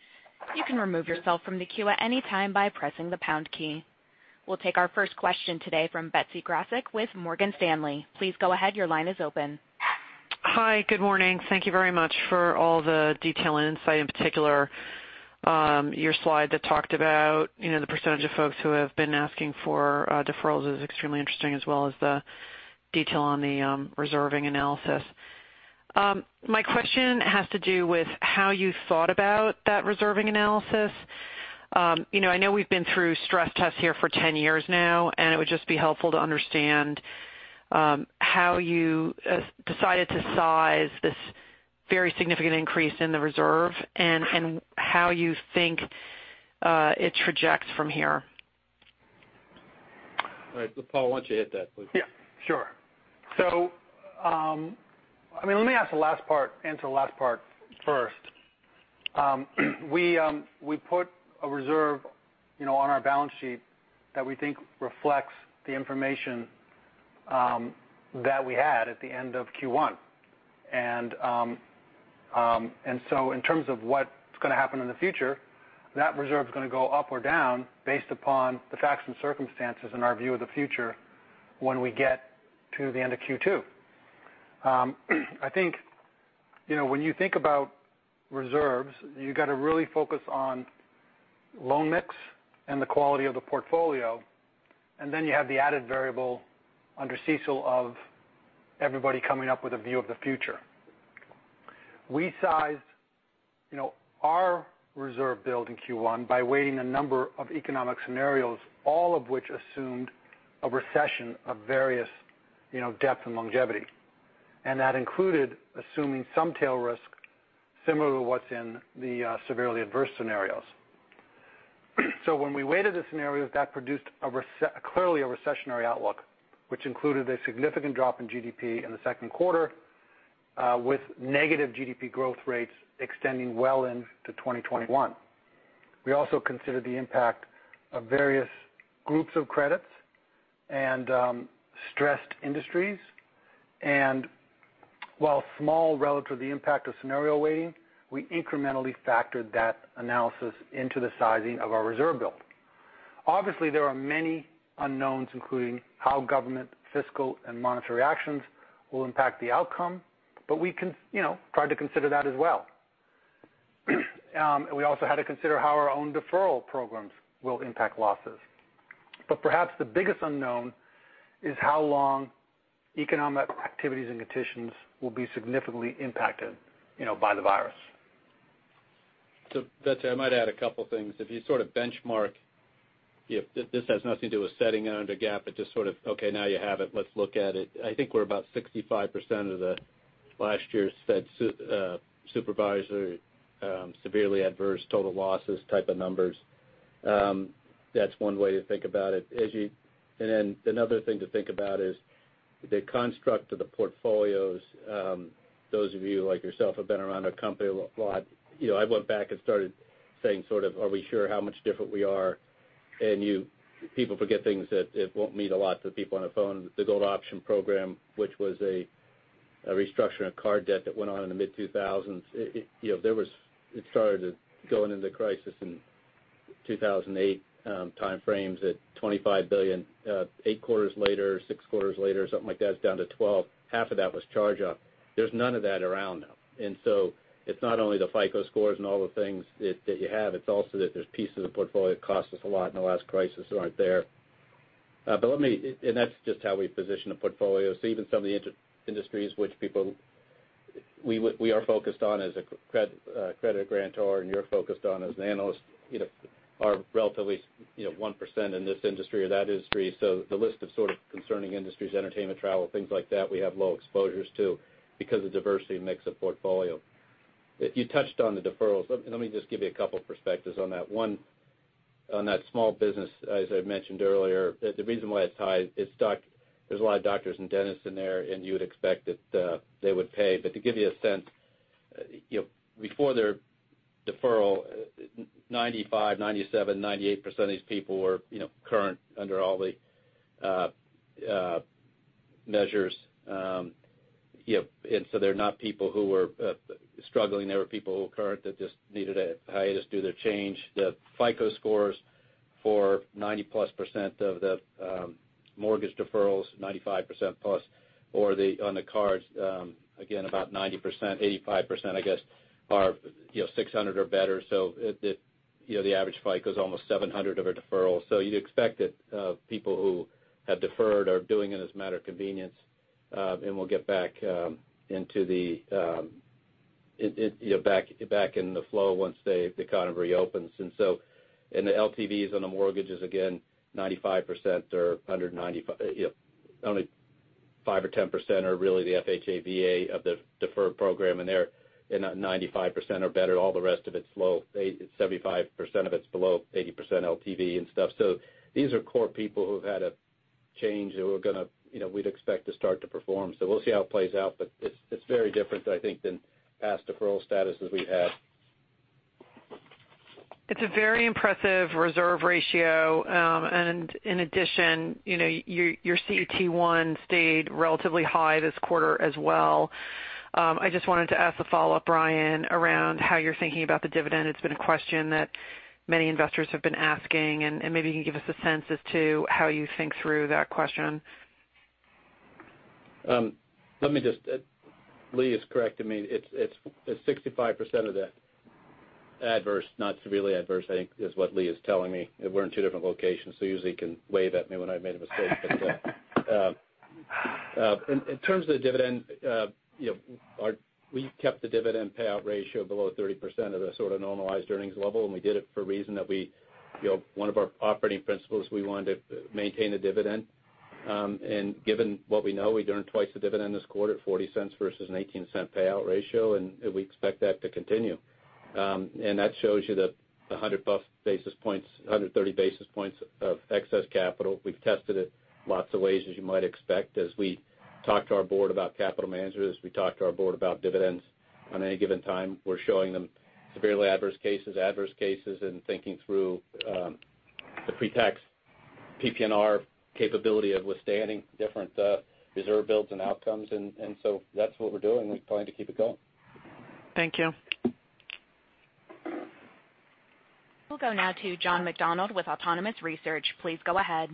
You can remove yourself from the queue at any time by pressing the pound key. We'll take our first question today from Betsy Graseck with Morgan Stanley. Please go ahead. Your line is open. Hi. Good morning. Thank you very much for all the detail and insight, in particular, your slide that talked about the percentage of folks who have been asking for deferrals is extremely interesting as well as the detail on the reserving analysis. My question has to do with how you thought about that reserving analysis. I know we've been through stress tests here for 10 years now, and it would just be helpful to understand how you decided to size this very significant increase in the reserve and how you think it trajects from here. All right. Paul, why don't you hit that, please? Yeah. Sure. Let me answer the last part first. We put a reserve on our balance sheet that we think reflects the information that we had at the end of Q1. In terms of what's going to happen in the future, that reserve's going to go up or down based upon the facts and circumstances and our view of the future when we get to the end of Q2. I think when you think about reserves, you got to really focus on loan mix and the quality of the portfolio, and then you have the added variable under CECL of everybody coming up with a view of the future. We sized our reserve build in Q1 by weighing a number of economic scenarios, all of which assumed a recession of various depth and longevity. That included assuming some tail risk similar to what's in the severely adverse scenarios. When we weighted the scenarios, that produced clearly a recessionary outlook, which included a significant drop in GDP in the second quarter with negative GDP growth rates extending well into 2021. We also considered the impact of various groups of credits and stressed industries. While small relative to the impact of scenario weighting, we incrementally factored that analysis into the sizing of our reserve build. Obviously, there are many unknowns, including how government fiscal and monetary actions will impact the outcome, but we tried to consider that as well. We also had to consider how our own deferral programs will impact losses. Perhaps the biggest unknown is how long economic activities and conditions will be significantly impacted by the virus. Betsy, I might add a couple of things. If you sort of benchmark, this has nothing to do with setting it under GAAP, but just sort of, okay, now you have it, let's look at it. I think we're about 65% of the last year's Fed supervisory severely adverse total losses type of numbers. That's one way to think about it. Another thing to think about is the construct of the portfolios. Those of you like yourself have been around our company a lot. I went back and started saying sort of, are we sure how much different we are? People forget things that it won't mean a lot to the people on the phone. The GoldOption Program, which was a restructuring of card debt that went on in the mid-2000s. It started going into crisis in 2008 time frames at $25 billion. Eight quarters later, six quarters later, something like that, it's down to 12. Half of that was charge-off. There's none of that around now. It's not only the FICO scores and all the things that you have, it's also that there's pieces of the portfolio that cost us a lot in the last crisis that aren't there. That's just how we position a portfolio. Even some of the industries which we are focused on as a credit grantor and you're focused on as an analyst are relatively 1% in this industry or that industry. The list of sort of concerning industries, entertainment, travel, things like that, we have low exposures to because of diversity and mix of portfolio. You touched on the deferrals. Let me just give you a couple of perspectives on that. On that small business, as I mentioned earlier, the reason why it's high, there's a lot of doctors and dentists in there, and you would expect that they would pay. To give you a sense, before their deferral, 95%, 97%, 98% of these people were current under all the measures. They're not people who were struggling. They were people who were current that just needed a hiatus due to change. The FICO scores for 90%+ of the mortgage deferrals, 95%+, or on the cards, again, about 90%, 85%, I guess, are 600 or better. The average FICO is almost 700 over deferral. You'd expect that people who have deferred are doing it as a matter of convenience, and will get back into the flow once the economy reopens. The LTVs on the mortgages, again, only 5% or 10% are really the FHA/VA of the deferred program, and they're 95% or better. All the rest of it's low. 75% of it's below 80% LTV and stuff. These are core people who've had a change, who we'd expect to start to perform. We'll see how it plays out. It's very different, I think, than past deferral statuses we've had. It's a very impressive reserve ratio. In addition, your CET1 stayed relatively high this quarter as well. I just wanted to ask a follow-up, Brian, around how you're thinking about the dividend. It's been a question that many investors have been asking, and maybe you can give us a sense as to how you think through that question. Lee is correct. It's 65% of the adverse, not severely adverse, I think is what Lee is telling me. We're in two different locations, so usually he can wave at me when I've made a mistake. In terms of the dividend, we kept the dividend payout ratio below 30% of the sort of normalized earnings level, and we did it for a reason that one of our operating principles, we wanted to maintain a dividend. Given what we know, we'd earned twice the dividend this quarter, $0.40 versus an $0.18 payout ratio, and we expect that to continue. That shows you the 100+ basis points, 130 basis points of excess capital. We've tested it lots of ways, as you might expect, as we talk to our board about capital management, as we talk to our board about dividends on any given time. We're showing them severely adverse cases, adverse cases, and thinking through the pre-tax PPNR capability of withstanding different reserve builds and outcomes. That's what we're doing. We plan to keep it going. Thank you. We'll go now to John McDonald with Autonomous Research. Please go ahead.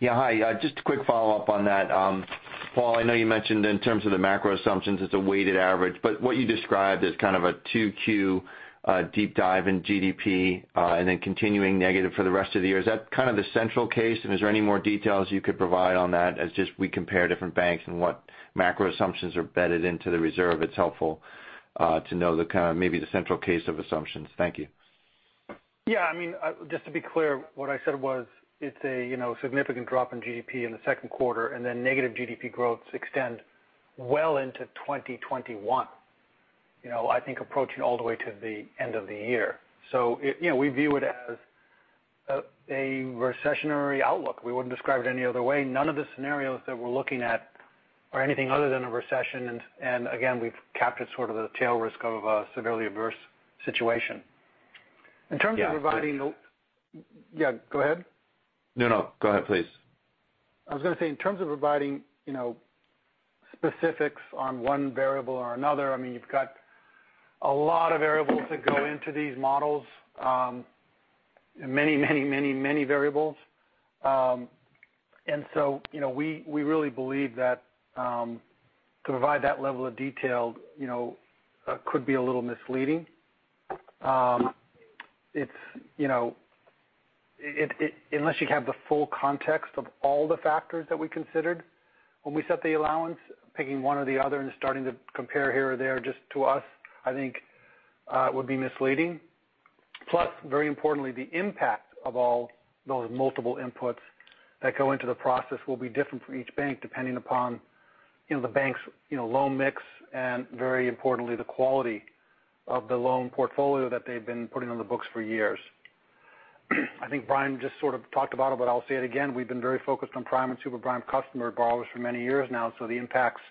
Yeah. Hi. Just a quick follow-up on that. Paul, I know you mentioned in terms of the macro assumptions, it's a weighted average, but what you described as kind of a 2Q deep dive in GDP, and then continuing negative for the rest of the year. Is that kind of the central case? Is there any more details you could provide on that as just we compare different banks and what macro assumptions are bedded into the reserve? It's helpful to know maybe the central case of assumptions. Thank you. Yeah. Just to be clear, what I said was it's a significant drop in GDP in the second quarter, and then negative GDP growths extend well into 2021. I think approaching all the way to the end of the year. We view it as a recessionary outlook. We wouldn't describe it any other way. None of the scenarios that we're looking at are anything other than a recession. Again, we've captured sort of the tail risk of a severely adverse situation. Yeah. Yeah, go ahead. No. Go ahead, please. I was going to say, in terms of providing specifics on one variable or another, you've got a lot of variables that go into these models. Many, many, many variables. We really believe that to provide that level of detail could be a little misleading. Unless you have the full context of all the factors that we considered when we set the allowance, picking one or the other and starting to compare here or there just to us, I think, would be misleading. Very importantly, the impact of all those multiple inputs that go into the process will be different for each bank, depending upon the bank's loan mix, and very importantly, the quality of the loan portfolio that they've been putting on the books for years. I think Brian just sort of talked about it, but I'll say it again. We've been very focused on prime and super prime customer borrowers for many years now, the impacts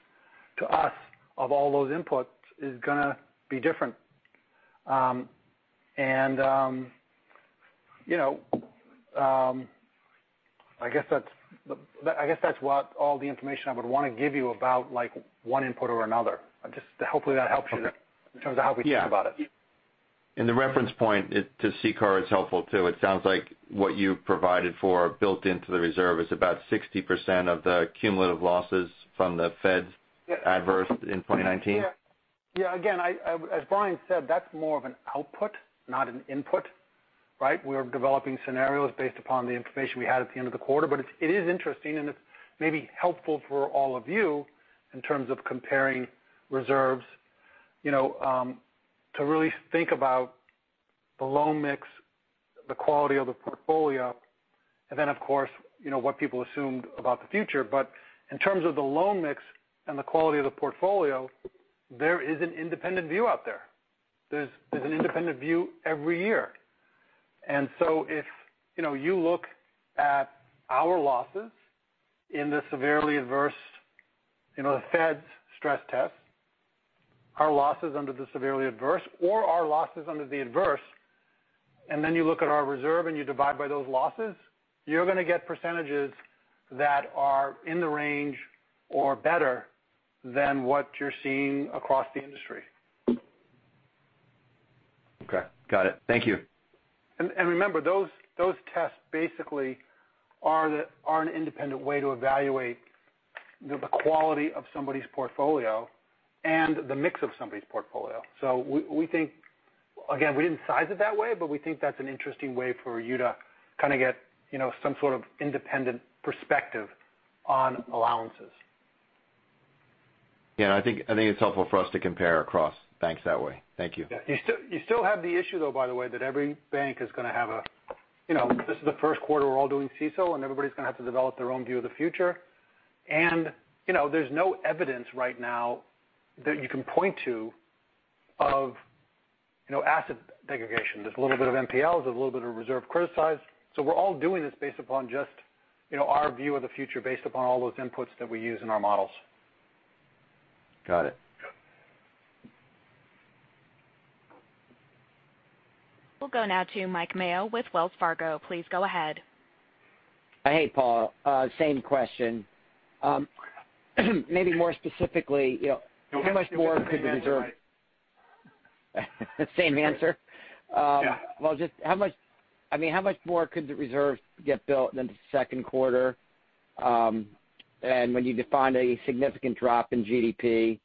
to us of all those inputs is going to be different. I guess that's what all the information I would want to give you about one input over another. Just hopefully that helps you in terms of how we think about it. Yeah. In the reference point to CCAR, it's helpful, too. It sounds like what you've provided for built into the reserve is about 60% of the cumulative losses from the Fed's adverse in 2019. Yeah. Again, as Brian said, that's more of an output, not an input. Right? We're developing scenarios based upon the information we had at the end of the quarter. It is interesting, and it's maybe helpful for all of you in terms of comparing reserves to really think about the loan mix, the quality of the portfolio, and then of course, what people assumed about the future. In terms of the loan mix and the quality of the portfolio, there is an independent view out there. There's an independent view every year. If you look at our losses in the severely adverse, the Fed's stress test, our losses under the severely adverse or our losses under the adverse, then you look at our reserve and you divide by those losses, you're going to get percentages that are in the range or better than what you're seeing across the industry. Okay. Got it. Thank you. Remember, those tests basically are an independent way to evaluate the quality of somebody's portfolio and the mix of somebody's portfolio. We think, again, we didn't size it that way, but we think that's an interesting way for you to kind of get some sort of independent perspective on allowances. Yeah, I think it's helpful for us to compare across banks that way. Thank you. Yeah. You still have the issue, though, by the way, that every bank is going to have this is the first quarter we're all doing CECL, and everybody's going to have to develop their own view of the future. There's no evidence right now that you can point to of asset degradation. There's a little bit of NPLs, there's a little bit of reserve criticized. We're all doing this based upon just our view of the future based upon all those inputs that we use in our models. Got it. Yeah. We'll go now to Mike Mayo with Wells Fargo. Please go ahead. Hey, Paul. Same question. No, it's okay. Same answer? Yeah. Well, just how much more could the reserve get built in the second quarter? When you defined a significant drop in GDP,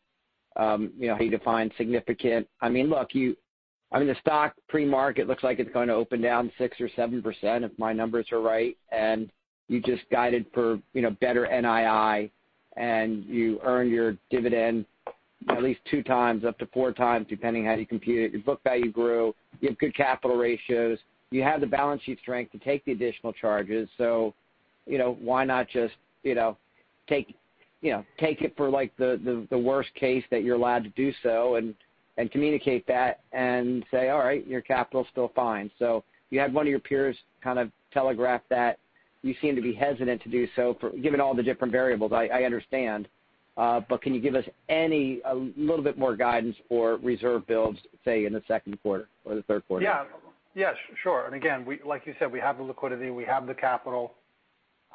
how do you define significant? Look, the stock pre-market looks like it's going to open down 6% or 7% if my numbers are right, and you just guided for better NII, and you earn your dividend at least 2x up to 4x, depending how you compute it. Your book value grew, you have good capital ratios, you have the balance sheet strength to take the additional charges. Why not just take it for the worst case that you're allowed to do so and communicate that and say, "All right, your capital's still fine." You had one of your peers kind of telegraph that. You seem to be hesitant to do so given all the different variables, I understand. Can you give us a little bit more guidance for reserve builds, say, in the second quarter or the third quarter? Yeah. Sure. Again, like you said, we have the liquidity, we have the capital.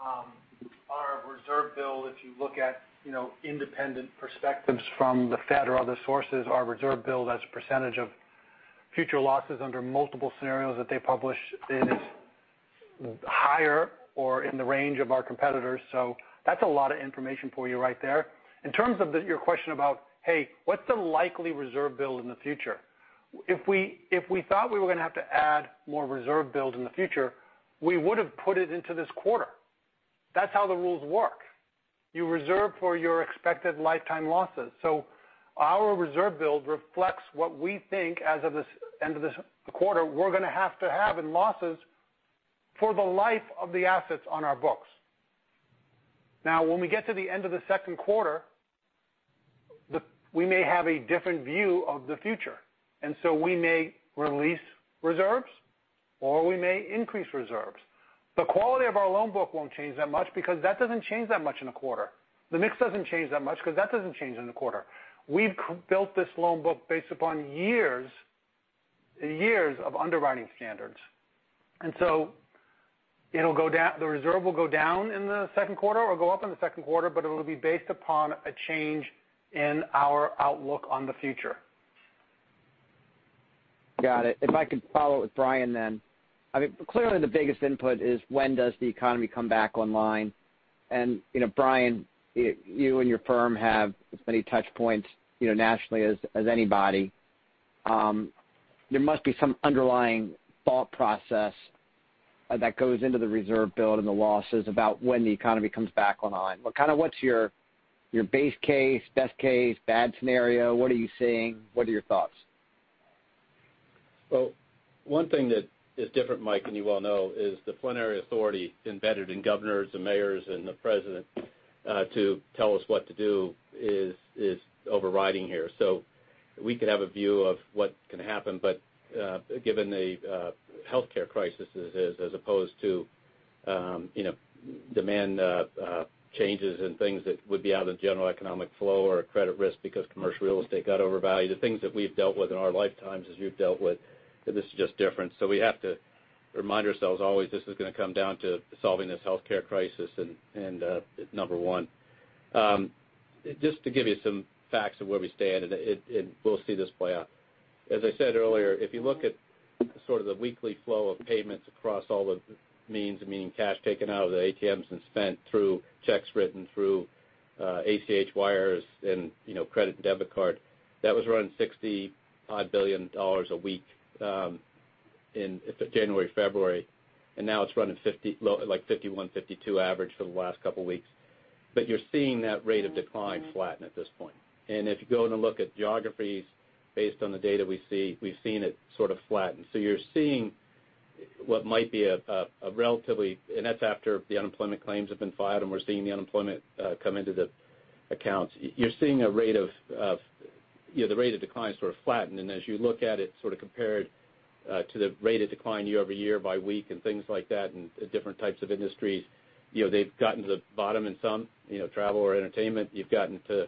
Our reserve build, if you look at independent perspectives from the Fed or other sources, our reserve build as a percentage of future losses under multiple scenarios that they publish is higher or in the range of our competitors. That's a lot of information for you right there. In terms of your question about, hey, what's the likely reserve build in the future? If we thought we were going to have to add more reserve build in the future, we would've put it into this quarter. That's how the rules work. You reserve for your expected lifetime losses. Our reserve build reflects what we think as of this end of this quarter, we're going to have to have in losses for the life of the assets on our books. Now, when we get to the end of the second quarter, we may have a different view of the future, and so we may release reserves, or we may increase reserves. The quality of our loan book won't change that much because that doesn't change that much in a quarter. The mix doesn't change that much because that doesn't change in a quarter. We've built this loan book based upon years and years of underwriting standards. The reserve will go down in the second quarter or go up in the second quarter, but it'll be based upon a change in our outlook on the future. Got it. If I could follow with Brian. Clearly the biggest input is when does the economy come back online? Brian, you and your firm have as many touch points nationally as anybody. There must be some underlying thought process that goes into the reserve build and the losses about when the economy comes back online. What's your base case, best case, bad scenario? What are you seeing? What are your thoughts? One thing that is different, Mike, and you well know, is the plenary authority embedded in governors and mayors and the president to tell us what to do is overriding here. We could have a view of what can happen, but given the healthcare crisis as is, as opposed to demand changes and things that would be out of the general economic flow or a credit risk because commercial real estate got overvalued, the things that we've dealt with in our lifetimes, this is just different. We have to remind ourselves always this is going to come down to solving this healthcare crisis and number one. Just to give you some facts of where we stand, and we'll see this play out. As I said earlier, if you look at sort of the weekly flow of payments across all the means, meaning cash taken out of the ATMs and spent through checks written through ACH wires and credit and debit card, that was running $65 billion a week in January, February. Now it's running low at like $51, $52 average for the last couple of weeks. You're seeing that rate of decline flatten at this point. If you go in and look at geographies based on the data we see, we've seen it sort of flatten. You're seeing what might be and that's after the unemployment claims have been filed, and we're seeing the unemployment come into the accounts. You're seeing the rate of decline sort of flatten. As you look at it sort of compared to the rate of decline year-over-year by week and things like that, and different types of industries, they've gotten to the bottom in some, travel or entertainment. You've gotten to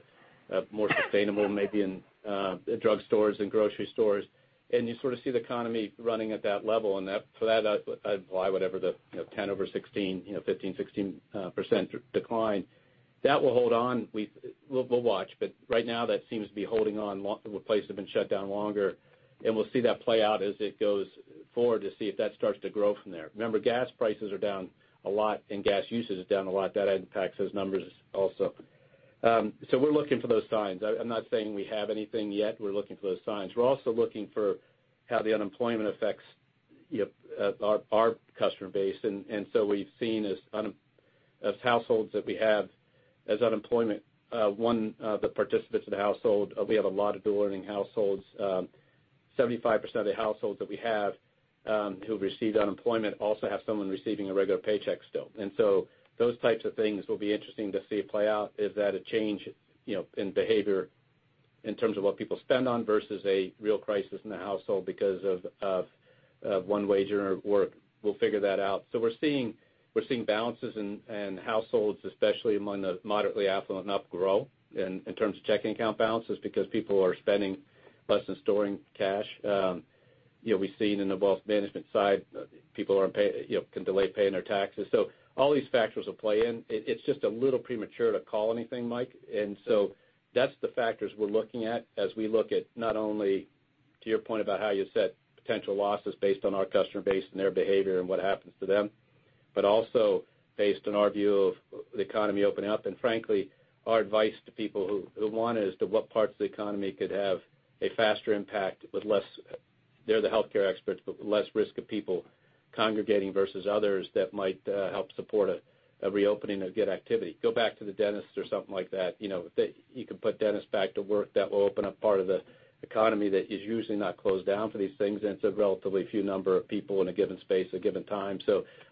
more sustainable maybe in drugstores and grocery stores. You sort of see the economy running at that level, and for that, I'd apply whatever the 10 over 16, 15%, 16% decline. That will hold on. We'll watch. Right now, that seems to be holding on with places that have been shut down longer. We'll see that play out as it goes forward to see if that starts to grow from there. Remember, gas prices are down a lot, and gas usage is down a lot. That impacts those numbers also. We're looking for those signs. I'm not saying we have anything yet. We're looking for those signs. We're also looking for how the unemployment affects our customer base. We've seen as households that we have, as unemployment, one, the participants in the household, we have a lot of dual earning households. 75% of the households that we have who receive unemployment also have someone receiving a regular paycheck still. Those types of things will be interesting to see play out. Is that a change in behavior in terms of what people spend on versus a real crisis in the household because of one wage earner work? We'll figure that out. We're seeing balances in households, especially among the moderately affluent and up grow in terms of checking account balances because people are spending less and storing cash. We've seen in the wealth management side, people can delay paying their taxes. All these factors will play in. It's just a little premature to call anything, Mike. That's the factors we're looking at as we look at not only to your point about how you set potential losses based on our customer base and their behavior and what happens to them, but also based on our view of the economy opening up. Frankly, our advice to people who want is to what parts of the economy could have a faster impact with less, they're the healthcare experts, but less risk of people congregating versus others that might help support a reopening of good activity. Go back to the dentist or something like that. You could put dentists back to work. That will open up part of the economy that is usually not closed down for these things, and it's a relatively few number of people in a given space at a given time.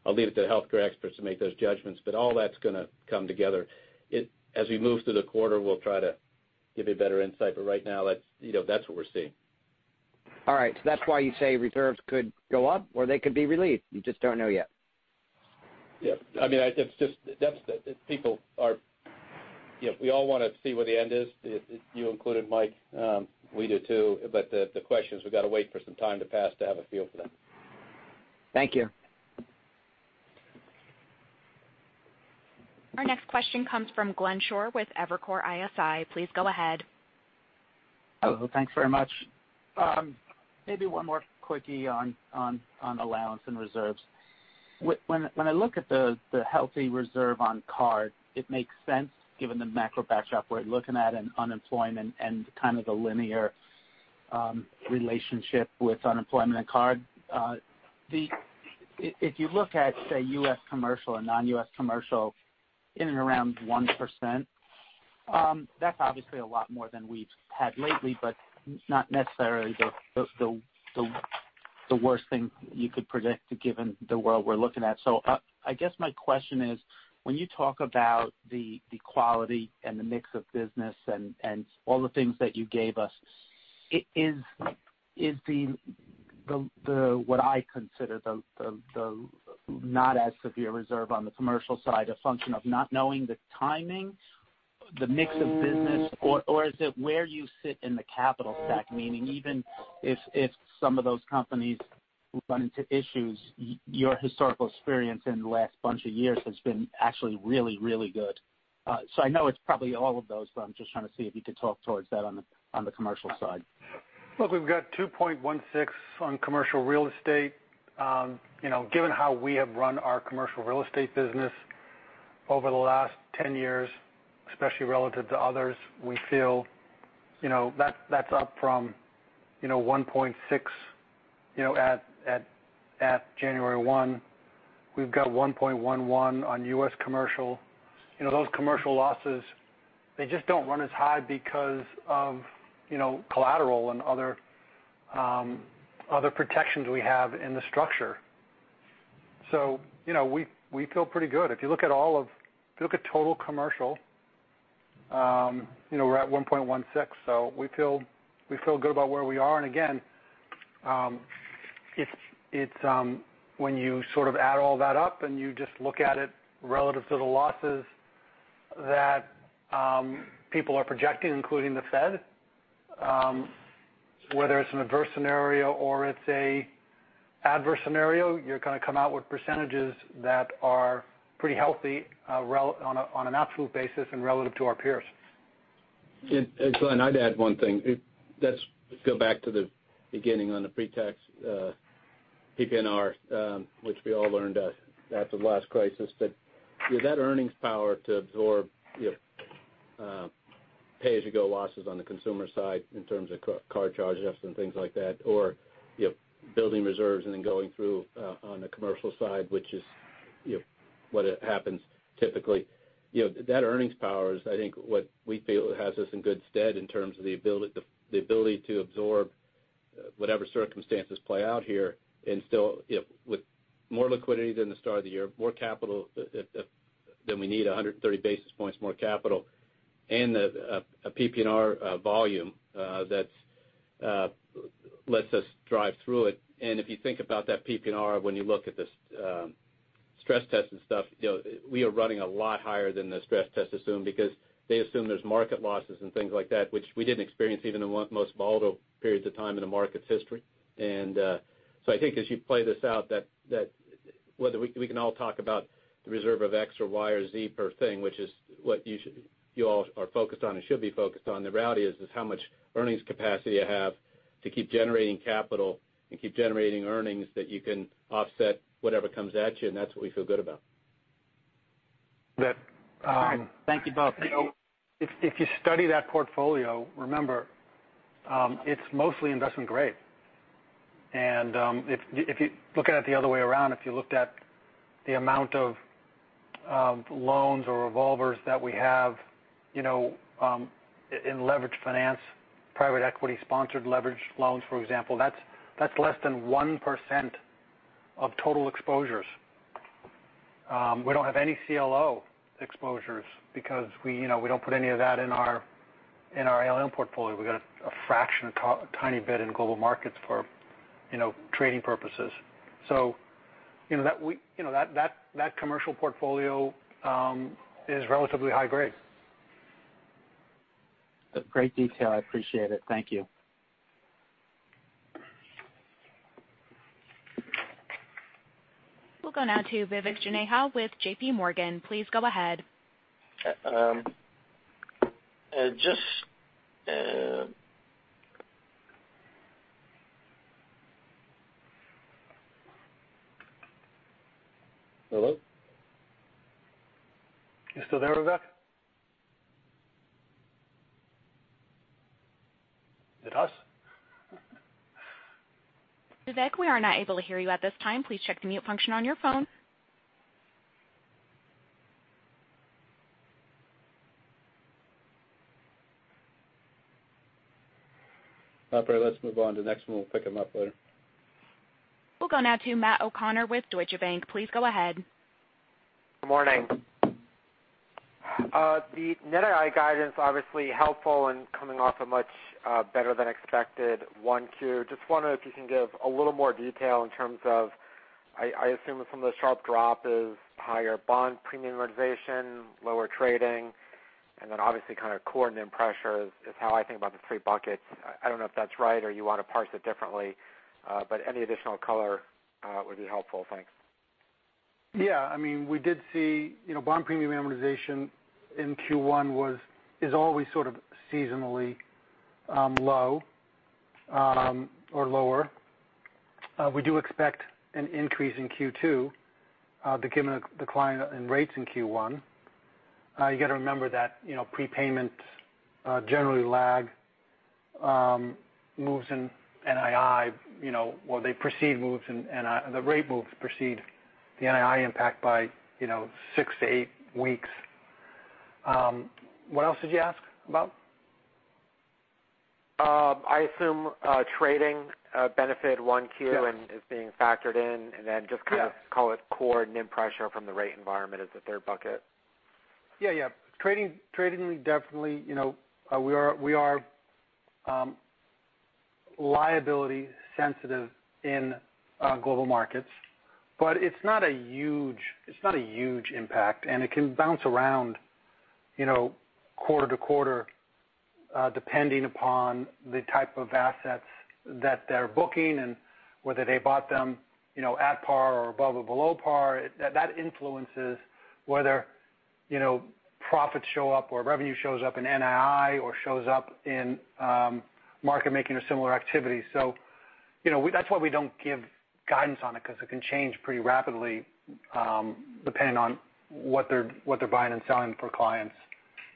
I'll leave it to healthcare experts to make those judgments. All that's going to come together. As we move through the quarter, we'll try to give you better insight. Right now, that's what we're seeing. All right. That's why you say reserves could go up or they could be relieved. You just don't know yet. Yeah. We all want to see where the end is, you included, Mike. We do too. The question is we've got to wait for some time to pass to have a feel for that. Thank you. Our next question comes from Glenn Schorr with Evercore ISI. Please go ahead. Hello. Thanks very much. Maybe one more quickie on allowance and reserves. When I look at the healthy reserve on card, it makes sense given the macro backdrop we're looking at in unemployment and kind of the linear relationship with unemployment and card. If you look at, say, U.S. commercial and non-U.S. commercial in and around 1%, that's obviously a lot more than we've had lately, but not necessarily the worst thing you could predict given the world we're looking at. I guess my question is, when you talk about the quality and the mix of business and all the things that you gave us, is what I consider the not as severe reserve on the commercial side a function of not knowing the timing, the mix of business? Is it where you sit in the capital stack? Meaning even if some of those companies run into issues, your historical experience in the last bunch of years has been actually really, really good. I know it's probably all of those, but I'm just trying to see if you could talk towards that on the commercial side. Look, we've got 2.16% on commercial real estate. Given how we have run our commercial real estate business over the last 10 years, especially relative to others, we feel that's up from 1.6% at January 1. We've got 1.11% on U.S. commercial. Those commercial losses, they just don't run as high because of collateral and other protections we have in the structure. We feel pretty good. If you look at total commercial, we're at 1.16%. We feel good about where we are. Again, when you sort of add all that up and you just look at it relative to the losses that people are projecting, including the Fed, whether it's an adverse scenario or it's an severely scenario, you're going to come out with percentages that are pretty healthy on an absolute basis and relative to our peers. Glenn, I'd add one thing. Let's go back to the beginning on the pre-tax PPNR, which we all learned after the last crisis, that earnings power to absorb pay-as-you-go losses on the consumer side in terms of card charge-offs and things like that, or building reserves and then going through on the commercial side, which is what happens typically. That earnings power is, I think what we feel has us in good stead in terms of the ability to absorb whatever circumstances play out here. Still with more liquidity than the start of the year, more capital than we need, 130 basis points more capital, and a PPNR volume that lets us drive through it. If you think about that PPNR when you look at the stress test and stuff, we are running a lot higher than the stress test assumed because they assume there's market losses and things like that, which we didn't experience even in the most volatile periods of time in the market's history. I think as you play this out, we can all talk about the reserve of X or Y or Z per thing, which is what you all are focused on and should be focused on. The reality is how much earnings capacity you have to keep generating capital and keep generating earnings that you can offset whatever comes at you. That's what we feel good about. Thank you both. If you study that portfolio, remember, it's mostly investment grade. If you look at it the other way around, if you looked at the amount of loans or revolvers that we have in leveraged finance, private equity sponsored leveraged loans, for example, that's less than 1% of total exposures. We don't have any CLO exposures because we don't put any of that in our ALM portfolio. We've got a fraction, a tiny bit in Global Markets for trading purposes. That commercial portfolio is relatively high grade. Great detail. I appreciate it. Thank you. We'll go now to Vivek Juneja with JPMorgan. Please go ahead. Hello? You still there, Vivek? Is it us? Vivek, we are not able to hear you at this time. Please check the mute function on your phone. All right, let's move on to the next one. We'll pick him up later. We'll go now to Matt O'Connor with Deutsche Bank. Please go ahead. Good morning. The NII guidance obviously helpful in coming off a much better than expected 1Q. Just wondering if you can give a little more detail in terms of, I assume some of the sharp drop is higher bond premium amortization, lower trading, and then obviously kind of core NIM pressure is how I think about the three buckets. I don't know if that's right or you want to parse it differently. Any additional color would be helpful. Thanks. Yeah, we did see bond premium amortization in Q1 is always sort of seasonally low or lower. We do expect an increase in Q2, given the decline in rates in Q1. You got to remember that prepayment generally lag moves in NII, or they precede moves in NII. The rate moves precede the NII impact by six to eight weeks. What else did you ask about? I assume trading benefited 1Q is being factored in, and then just. Yeah call it core NIM pressure from the rate environment is the third bucket. Trading definitely, we are liability sensitive in Global Markets. It's not a huge impact, and it can bounce around quarter-to-quarter depending upon the type of assets that they're booking and whether they bought them at par or above or below par. That influences whether profits show up or revenue shows up in NII or shows up in market making or similar activities. That's why we don't give guidance on it because it can change pretty rapidly depending on what they're buying and selling for clients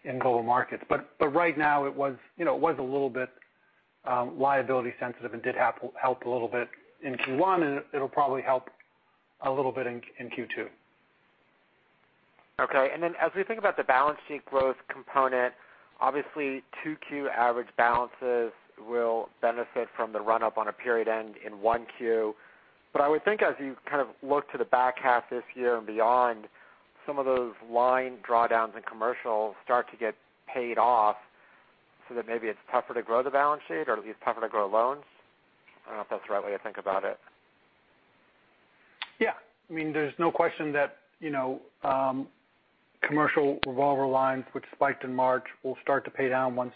in Global Markets. Right now it was a little bit liability sensitive and did help a little bit in Q1, and it'll probably help a little bit in Q2. As we think about the balance sheet growth component, obviously 2Q average balances will benefit from the run up on a period end in 1Q. I would think as you kind of look to the back half this year and beyond, some of those line drawdowns in commercial start to get paid off so that maybe it's tougher to grow the balance sheet or at least tougher to grow loans. I don't know if that's the right way to think about it. Yeah. There's no question that commercial revolver lines which spiked in March will start to pay down once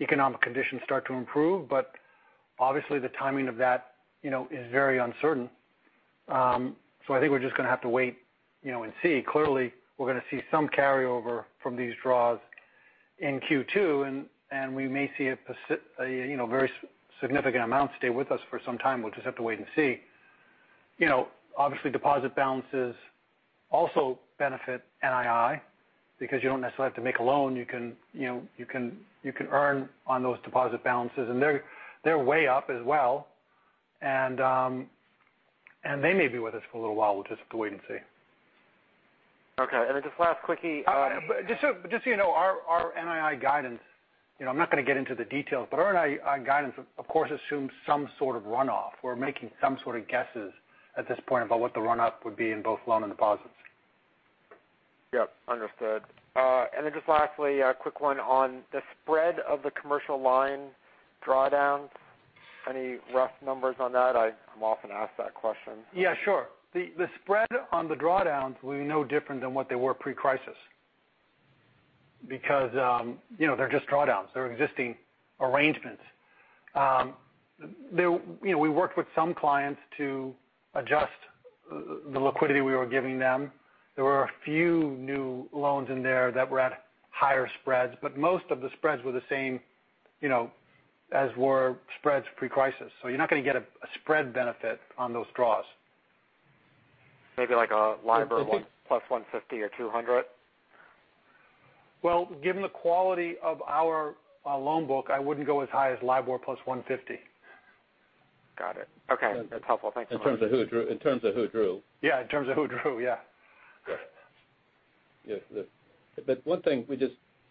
economic conditions start to improve. Obviously, the timing of that is very uncertain. I think we're just going to have to wait and see. Clearly, we're going to see some carryover from these draws in Q2. We may see very significant amounts stay with us for some time. We'll just have to wait and see. Obviously, deposit balances also benefit NII because you don't necessarily have to make a loan. You can earn on those deposit balances. They're way up as well. They may be with us for a little while. We'll just have to wait and see. Okay. Just last quickie. Just so you know, our NII guidance, I'm not going to get into the details, but our NII guidance, of course, assumes some sort of runoff. We're making some sort of guesses at this point about what the runoff would be in both loan and deposits. Yep. Understood. Then just lastly, a quick one on the spread of the commercial line drawdowns. Any rough numbers on that? I'm often asked that question. Yeah, sure. The spread on the drawdowns will be no different than what they were pre-crisis because they're just drawdowns. They're existing arrangements. We worked with some clients to adjust the liquidity we were giving them. There were a few new loans in there that were at higher spreads. Most of the spreads were the same as were spreads pre-crisis. You're not going to get a spread benefit on those draws. Maybe like a LIBOR plus 150 or 200? Well, given the quality of our loan book, I wouldn't go as high as LIBOR plus 150. Got it. Okay. That's helpful. Thanks so much. In terms of who drew. Yeah, in terms of who drew, yeah. Good. One thing,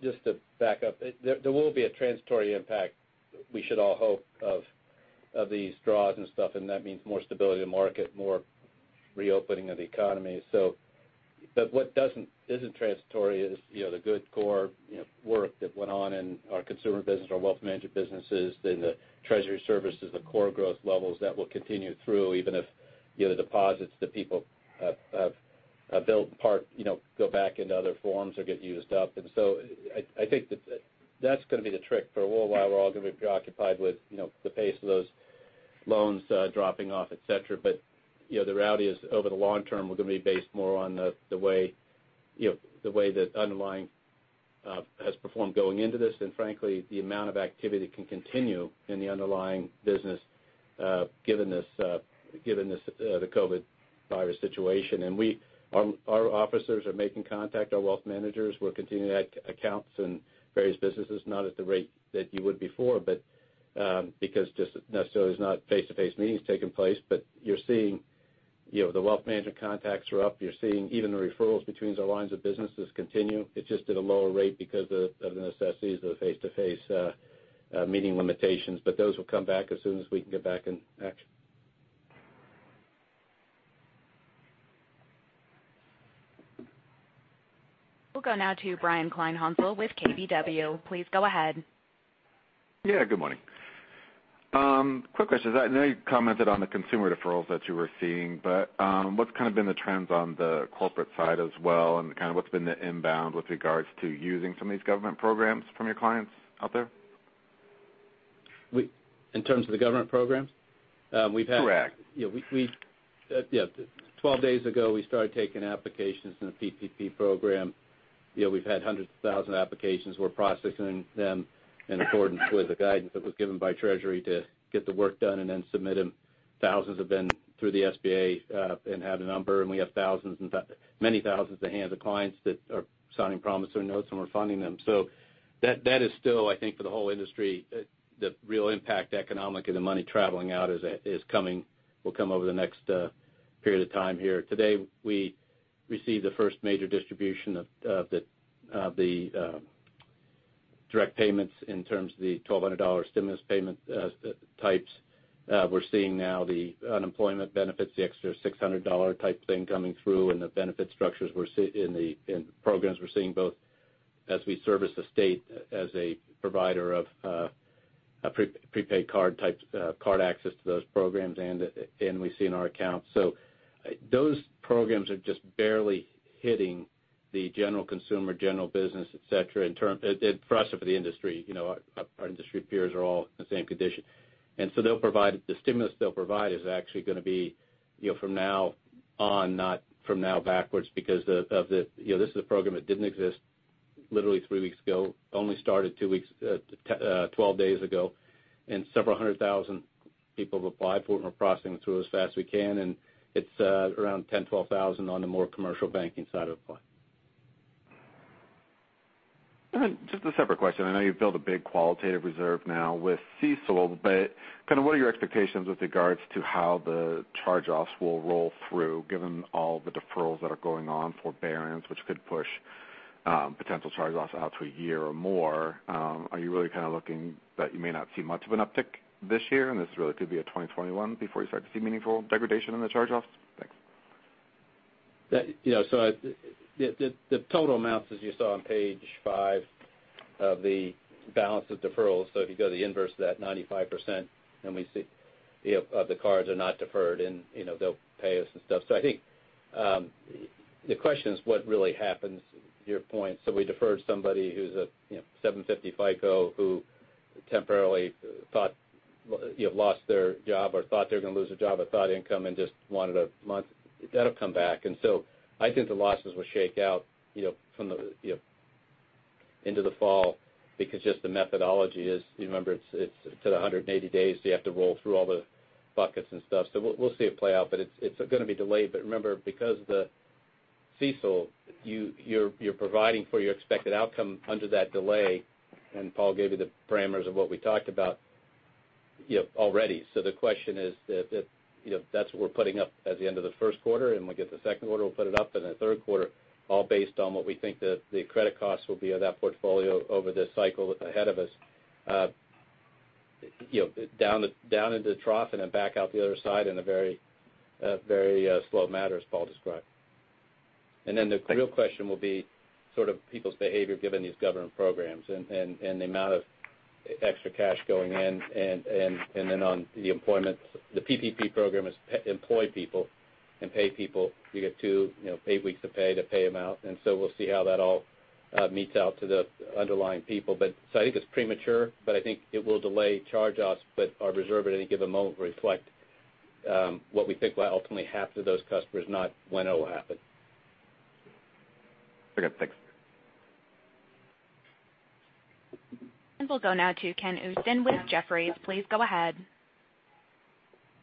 just to back up, there will be a transitory impact, we should all hope, of these draws and stuff, and that means more stability in the market, more reopening of the economy. What isn't transitory is the good core work that went on in our Consumer Banking, our Global Wealth & Investment Management businesses, then the treasury services, the core growth levels that will continue through, even if the deposits that people have built part go back into other forms or get used up. I think that that's going to be the trick for a little while. We're all going to be preoccupied with the pace of those loans dropping off, et cetera. The reality is, over the long term, we're going to be based more on the way the underlying has performed going into this, and frankly, the amount of activity that can continue in the underlying business given the COVID-19 situation. Our officers are making contact. Our wealth managers, we're continuing to add accounts in various businesses. Not at the rate that you would before because just necessarily there's not face-to-face meetings taking place. You're seeing the wealth management contacts are up. You're seeing even the referrals between the lines of businesses continue. It's just at a lower rate because of the necessities of face-to-face meeting limitations. Those will come back as soon as we can get back in action. We'll go now to Brian Kleinhanzl with KBW. Please go ahead. Yeah, good morning. Quick question. I know you commented on the consumer deferrals that you were seeing, but what's kind of been the trends on the corporate side as well and kind of what's been the inbound with regards to using some of these government programs from your clients out there? In terms of the government programs? Correct. 12 days ago, we started taking applications in the PPP Program. We've had hundreds of thousand applications. We're processing them in accordance with the guidance that was given by Treasury to get the work done and then submit them. Thousands have been through the SBA and have the number, and we have many thousands of clients that are signing promissory notes, and we're funding them. That is still, I think for the whole industry, the real impact economic and the money traveling out will come over the next period of time here. Today, we received the first major distribution of the direct payments in terms of the $1,200 stimulus payment types. We're seeing now the unemployment benefits, the extra $600 type thing coming through, and the benefit structures in programs we're seeing both as we service the state as a provider of prepaid card access to those programs and we see in our accounts. Those programs are just barely hitting the general consumer, general business, et cetera, for us and for the industry. Our industry peers are all in the same condition. The stimulus they'll provide is actually going to be from now on, not from now backwards because this is a program that didn't exist literally three weeks ago. Only started 12 days ago, and several hundred thousand people have applied for it, and we're processing them through as fast as we can. It's around 10,000, 12,000 on the more commercial banking side of apply. Just a separate question. I know you've built a big qualitative reserve now with CECL, what are your expectations with regards to how the charge-offs will roll through given all the deferrals that are going on for forbearance, which could push potential charge-offs out to a year or more? Are you really kind of looking that you may not see much of an uptick this year, this really could be a 2021 before you start to see meaningful degradation in the charge-offs? Thanks. The total amounts, as you saw on page five of the balance of deferrals. If you go the inverse of that 95%, then we see of the cards are not deferred, and they'll pay us and stuff. I think the question is what really happens, your point. We deferred somebody who's a 750 FICO who temporarily lost their job or thought they were going to lose their job or thought income and just wanted a month. That'll come back. I think the losses will shake out from the, into the fall because just the methodology is, remember, it's to the 180 days, you have to roll through all the buckets and stuff. We'll see it play out, but it's going to be delayed. Remember, because of the CECL, you're providing for your expected outcome under that delay, and Paul gave you the parameters of what we talked about already. The question is that that's what we're putting up at the end of the first quarter, and we'll get the second quarter, we'll put it up in the third quarter, all based on what we think the credit costs will be of that portfolio over this cycle ahead of us down into the trough and then back out the other side in a very slow matter, as Paul described. The real question will be sort of people's behavior given these government programs and the amount of extra cash going in and then on the employment. The PPP Program is to employ people and pay people. We get two paid weeks of pay to pay them out. We'll see how that all metes out to the underlying people. I think it's premature, but I think it will delay charge-offs. Our reserve at any given moment reflect what we think will ultimately happen to those customers, not when it will happen. Very good. Thanks. We'll go now to Kenneth Usdin with Jefferies. Please go ahead.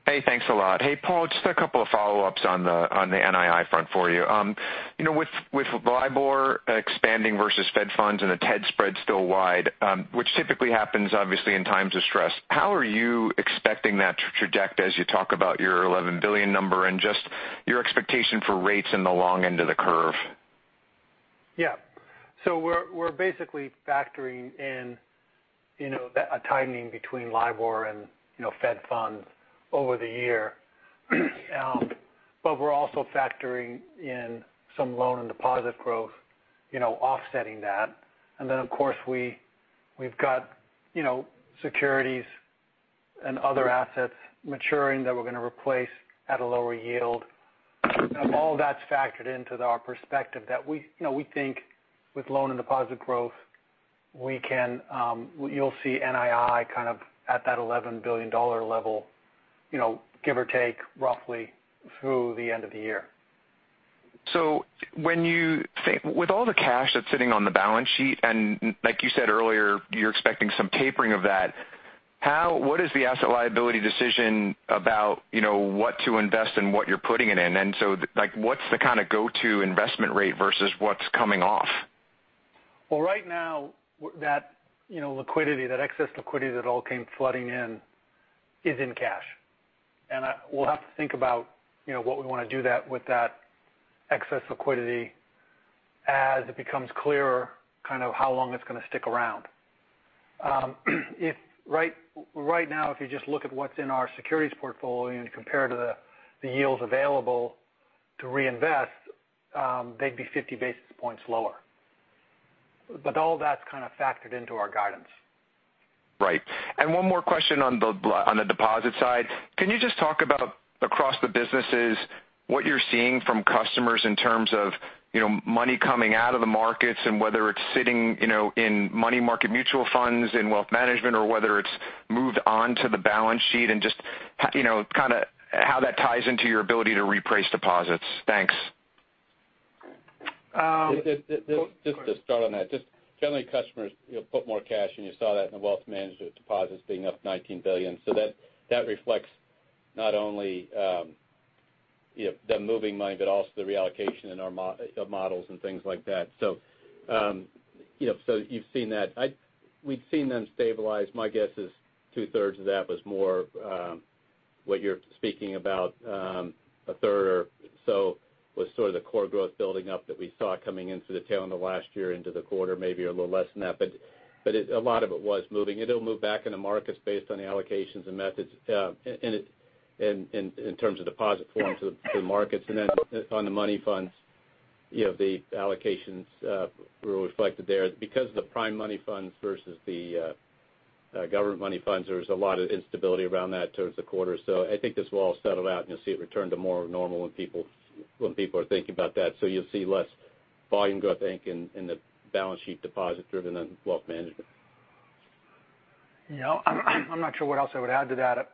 Hey, thanks a lot. Hey, Paul, just a couple of follow-ups on the NII front for you. With LIBOR expanding versus Fed funds and the TED spread still wide, which typically happens obviously in times of stress, how are you expecting that to traject as you talk about your $11 billion number and just your expectation for rates in the long end of the curve? Yeah. We're basically factoring in a tightening between LIBOR and Fed funds over the year. We're also factoring in some loan and deposit growth offsetting that. Then, of course, we've got securities and other assets maturing that we're going to replace at a lower yield. All that's factored into our perspective that we think with loan and deposit growth, you'll see NII kind of at that $11 billion level give or take roughly through the end of the year. With all the cash that's sitting on the balance sheet, and like you said earlier, you're expecting some tapering of that, what is the asset liability decision about what to invest and what you're putting it in? What's the kind of go-to investment rate versus what's coming off? Well, right now, that excess liquidity that all came flooding in is in cash. We'll have to think about what we want to do with that excess liquidity as it becomes clearer kind of how long it's going to stick around. Right now, if you just look at what's in our securities portfolio and compare to the yields available to reinvest, they'd be 50 basis points lower. All that's kind of factored into our guidance. Right. One more question on the deposit side. Can you just talk about across the businesses, what you're seeing from customers in terms of money coming out of the markets and whether it's sitting in money market mutual funds, in wealth management, or whether it's moved on to the balance sheet and just kind of how that ties into your ability to reprice deposits? Thanks. Just to start on that. Generally, customers put more cash, and you saw that in the Wealth Management deposits being up $19 billion. That reflects not only them moving money, but also the reallocation in our models and things like that. You've seen that. We've seen them stabilize. My guess is two-thirds of that was more what you're speaking about. A third or so was sort of the core growth building up that we saw coming into the tail end of last year into the quarter, maybe a little less than that, but a lot of it was moving. It'll move back into markets based on the allocations and methods in terms of deposit forms of the markets. On the money funds, the allocations were reflected there because of the prime money funds versus the government money funds. There was a lot of instability around that towards the quarter. I think this will all settle out, and you'll see it return to more normal when people are thinking about that. You'll see less volume growth, I think, in the balance sheet deposit driven than wealth management. I'm not sure what else I would add to that.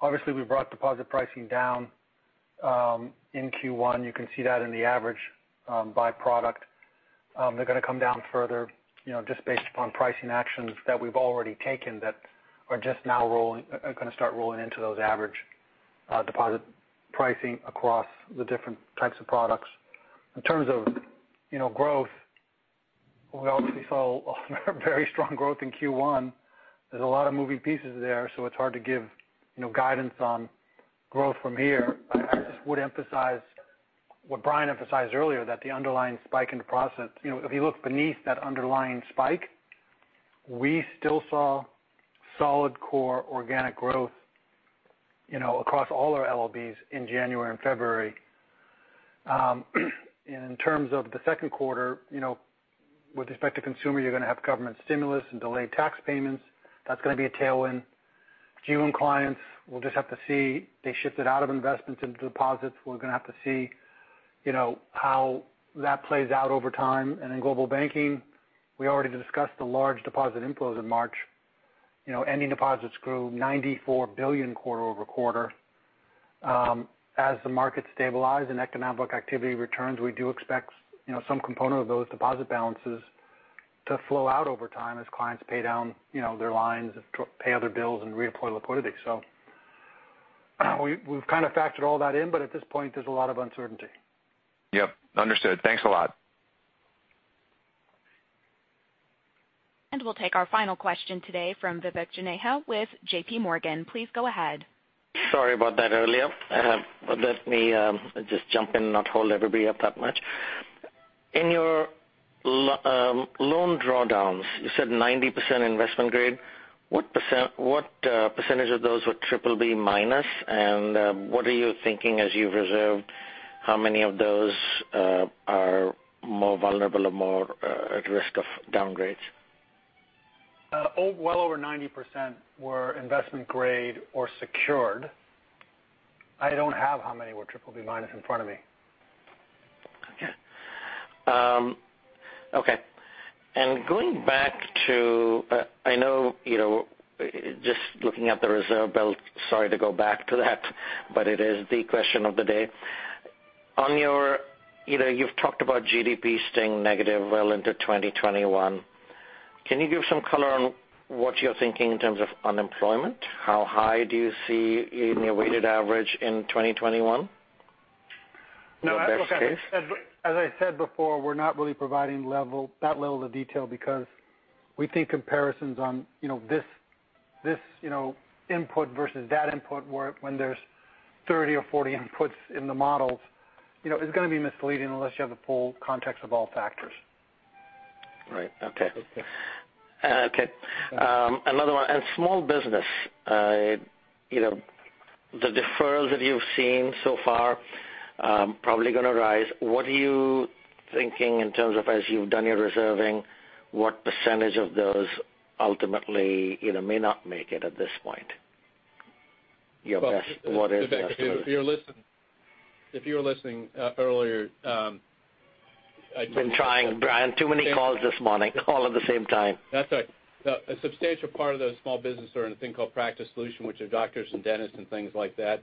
Obviously, we brought deposit pricing down in Q1. You can see that in the average by product. They're going to come down further just based upon pricing actions that we've already taken that are going to start rolling into those average deposit pricing across the different types of products. In terms of growth, we obviously saw very strong growth in Q1. There's a lot of moving pieces there, so it's hard to give guidance on growth from here. I just would emphasize what Brian emphasized earlier, that the underlying spike in deposits, if you look beneath that underlying spike, we still saw solid core organic growth across all our LOBs in January and February. In terms of the second quarter, with respect to Consumer, you're going to have government stimulus and delayed tax payments. That's going to be a tailwind. Q1 clients, we'll just have to see. They shifted out of investments into deposits. We're going to have to see how that plays out over time. In Global Banking, we already discussed the large deposit inflows in March. Ending deposits grew $94 billion quarter-over-quarter. As the markets stabilize and economic activity returns, we do expect some component of those deposit balances to flow out over time as clients pay down their lines, pay other bills, and redeploy liquidity. We've kind of factored all that in, but at this point, there's a lot of uncertainty. Yep. Understood. Thanks a lot. We'll take our final question today from Vivek Juneja with JPMorgan. Please go ahead. Sorry about that earlier. Let me just jump in and not hold everybody up that much. In your loan drawdowns, you said 90% investment grade. What percentage of those were BBB-? What are you thinking as you've reserved, how many of those are more vulnerable or more at risk of downgrades? Well over 90% were investment grade or secured. I don't have how many were BBB minus in front of me. Okay. Going back to, I know, just looking at the reserve build, sorry to go back to that, but it is the question of the day. You've talked about GDP staying negative well into 2021. Can you give some color on what you're thinking in terms of unemployment? How high do you see in your weighted average in 2021? Your best case. Look, as I said before, we're not really providing that level of detail because we think comparisons on this input versus that input, when there's 30 or 40 inputs in the models, is going to be misleading unless you have the full context of all factors. Right. Okay. Another one. In small business, the deferrals that you've seen so far are probably going to rise. What are you thinking in terms of, as you've done your reserving, what percentage of those ultimately may not make it at this point? What is the best case? Vivek, if you were listening earlier. I've been trying, Brian. Too many calls this morning, all at the same time. That's all right. A substantial part of those small business are in a thing called Practice Solutions, which are doctors and dentists and things like that.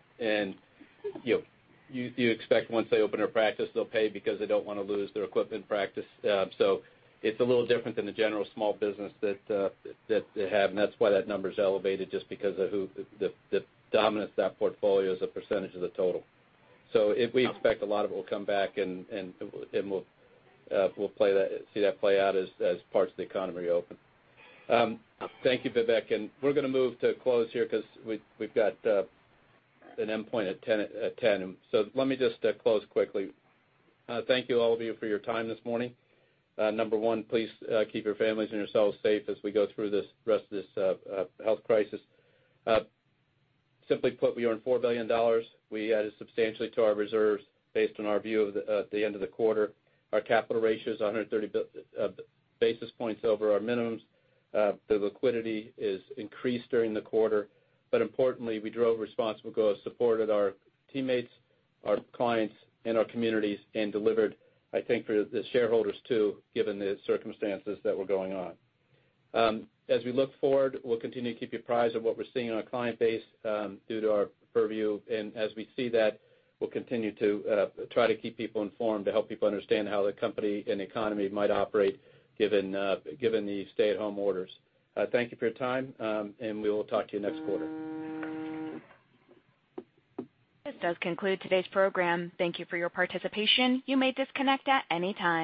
You expect once they open their practice, they'll pay because they don't want to lose their equipment practice. It's a little different than the general small business that they have, and that's why that number's elevated just because of the dominance of that portfolio as a percentage of the total. We expect a lot of it will come back, and we'll see that play out as parts of the economy reopen. Thank you, Vivek. We're going to move to close here because we've got an endpoint at 10:00. Let me just close quickly. Thank you, all of you, for your time this morning. Number one, please keep your families and yourselves safe as we go through the rest of this health crisis. Simply put, we earned $4 billion. We added substantially to our reserves based on our view of the end of the quarter. Our capital ratio is 130 basis points over our minimums. Importantly, we drove responsible growth, supported our teammates, our clients, and our communities, and delivered, I think, for the shareholders too, given the circumstances that were going on. As we look forward, we'll continue to keep you apprised of what we're seeing in our client base due to our purview. As we see that, we'll continue to try to keep people informed to help people understand how the company and economy might operate given the stay-at-home orders. Thank you for your time, and we will talk to you next quarter. This does conclude today's program. Thank you for your participation. You may disconnect at any time.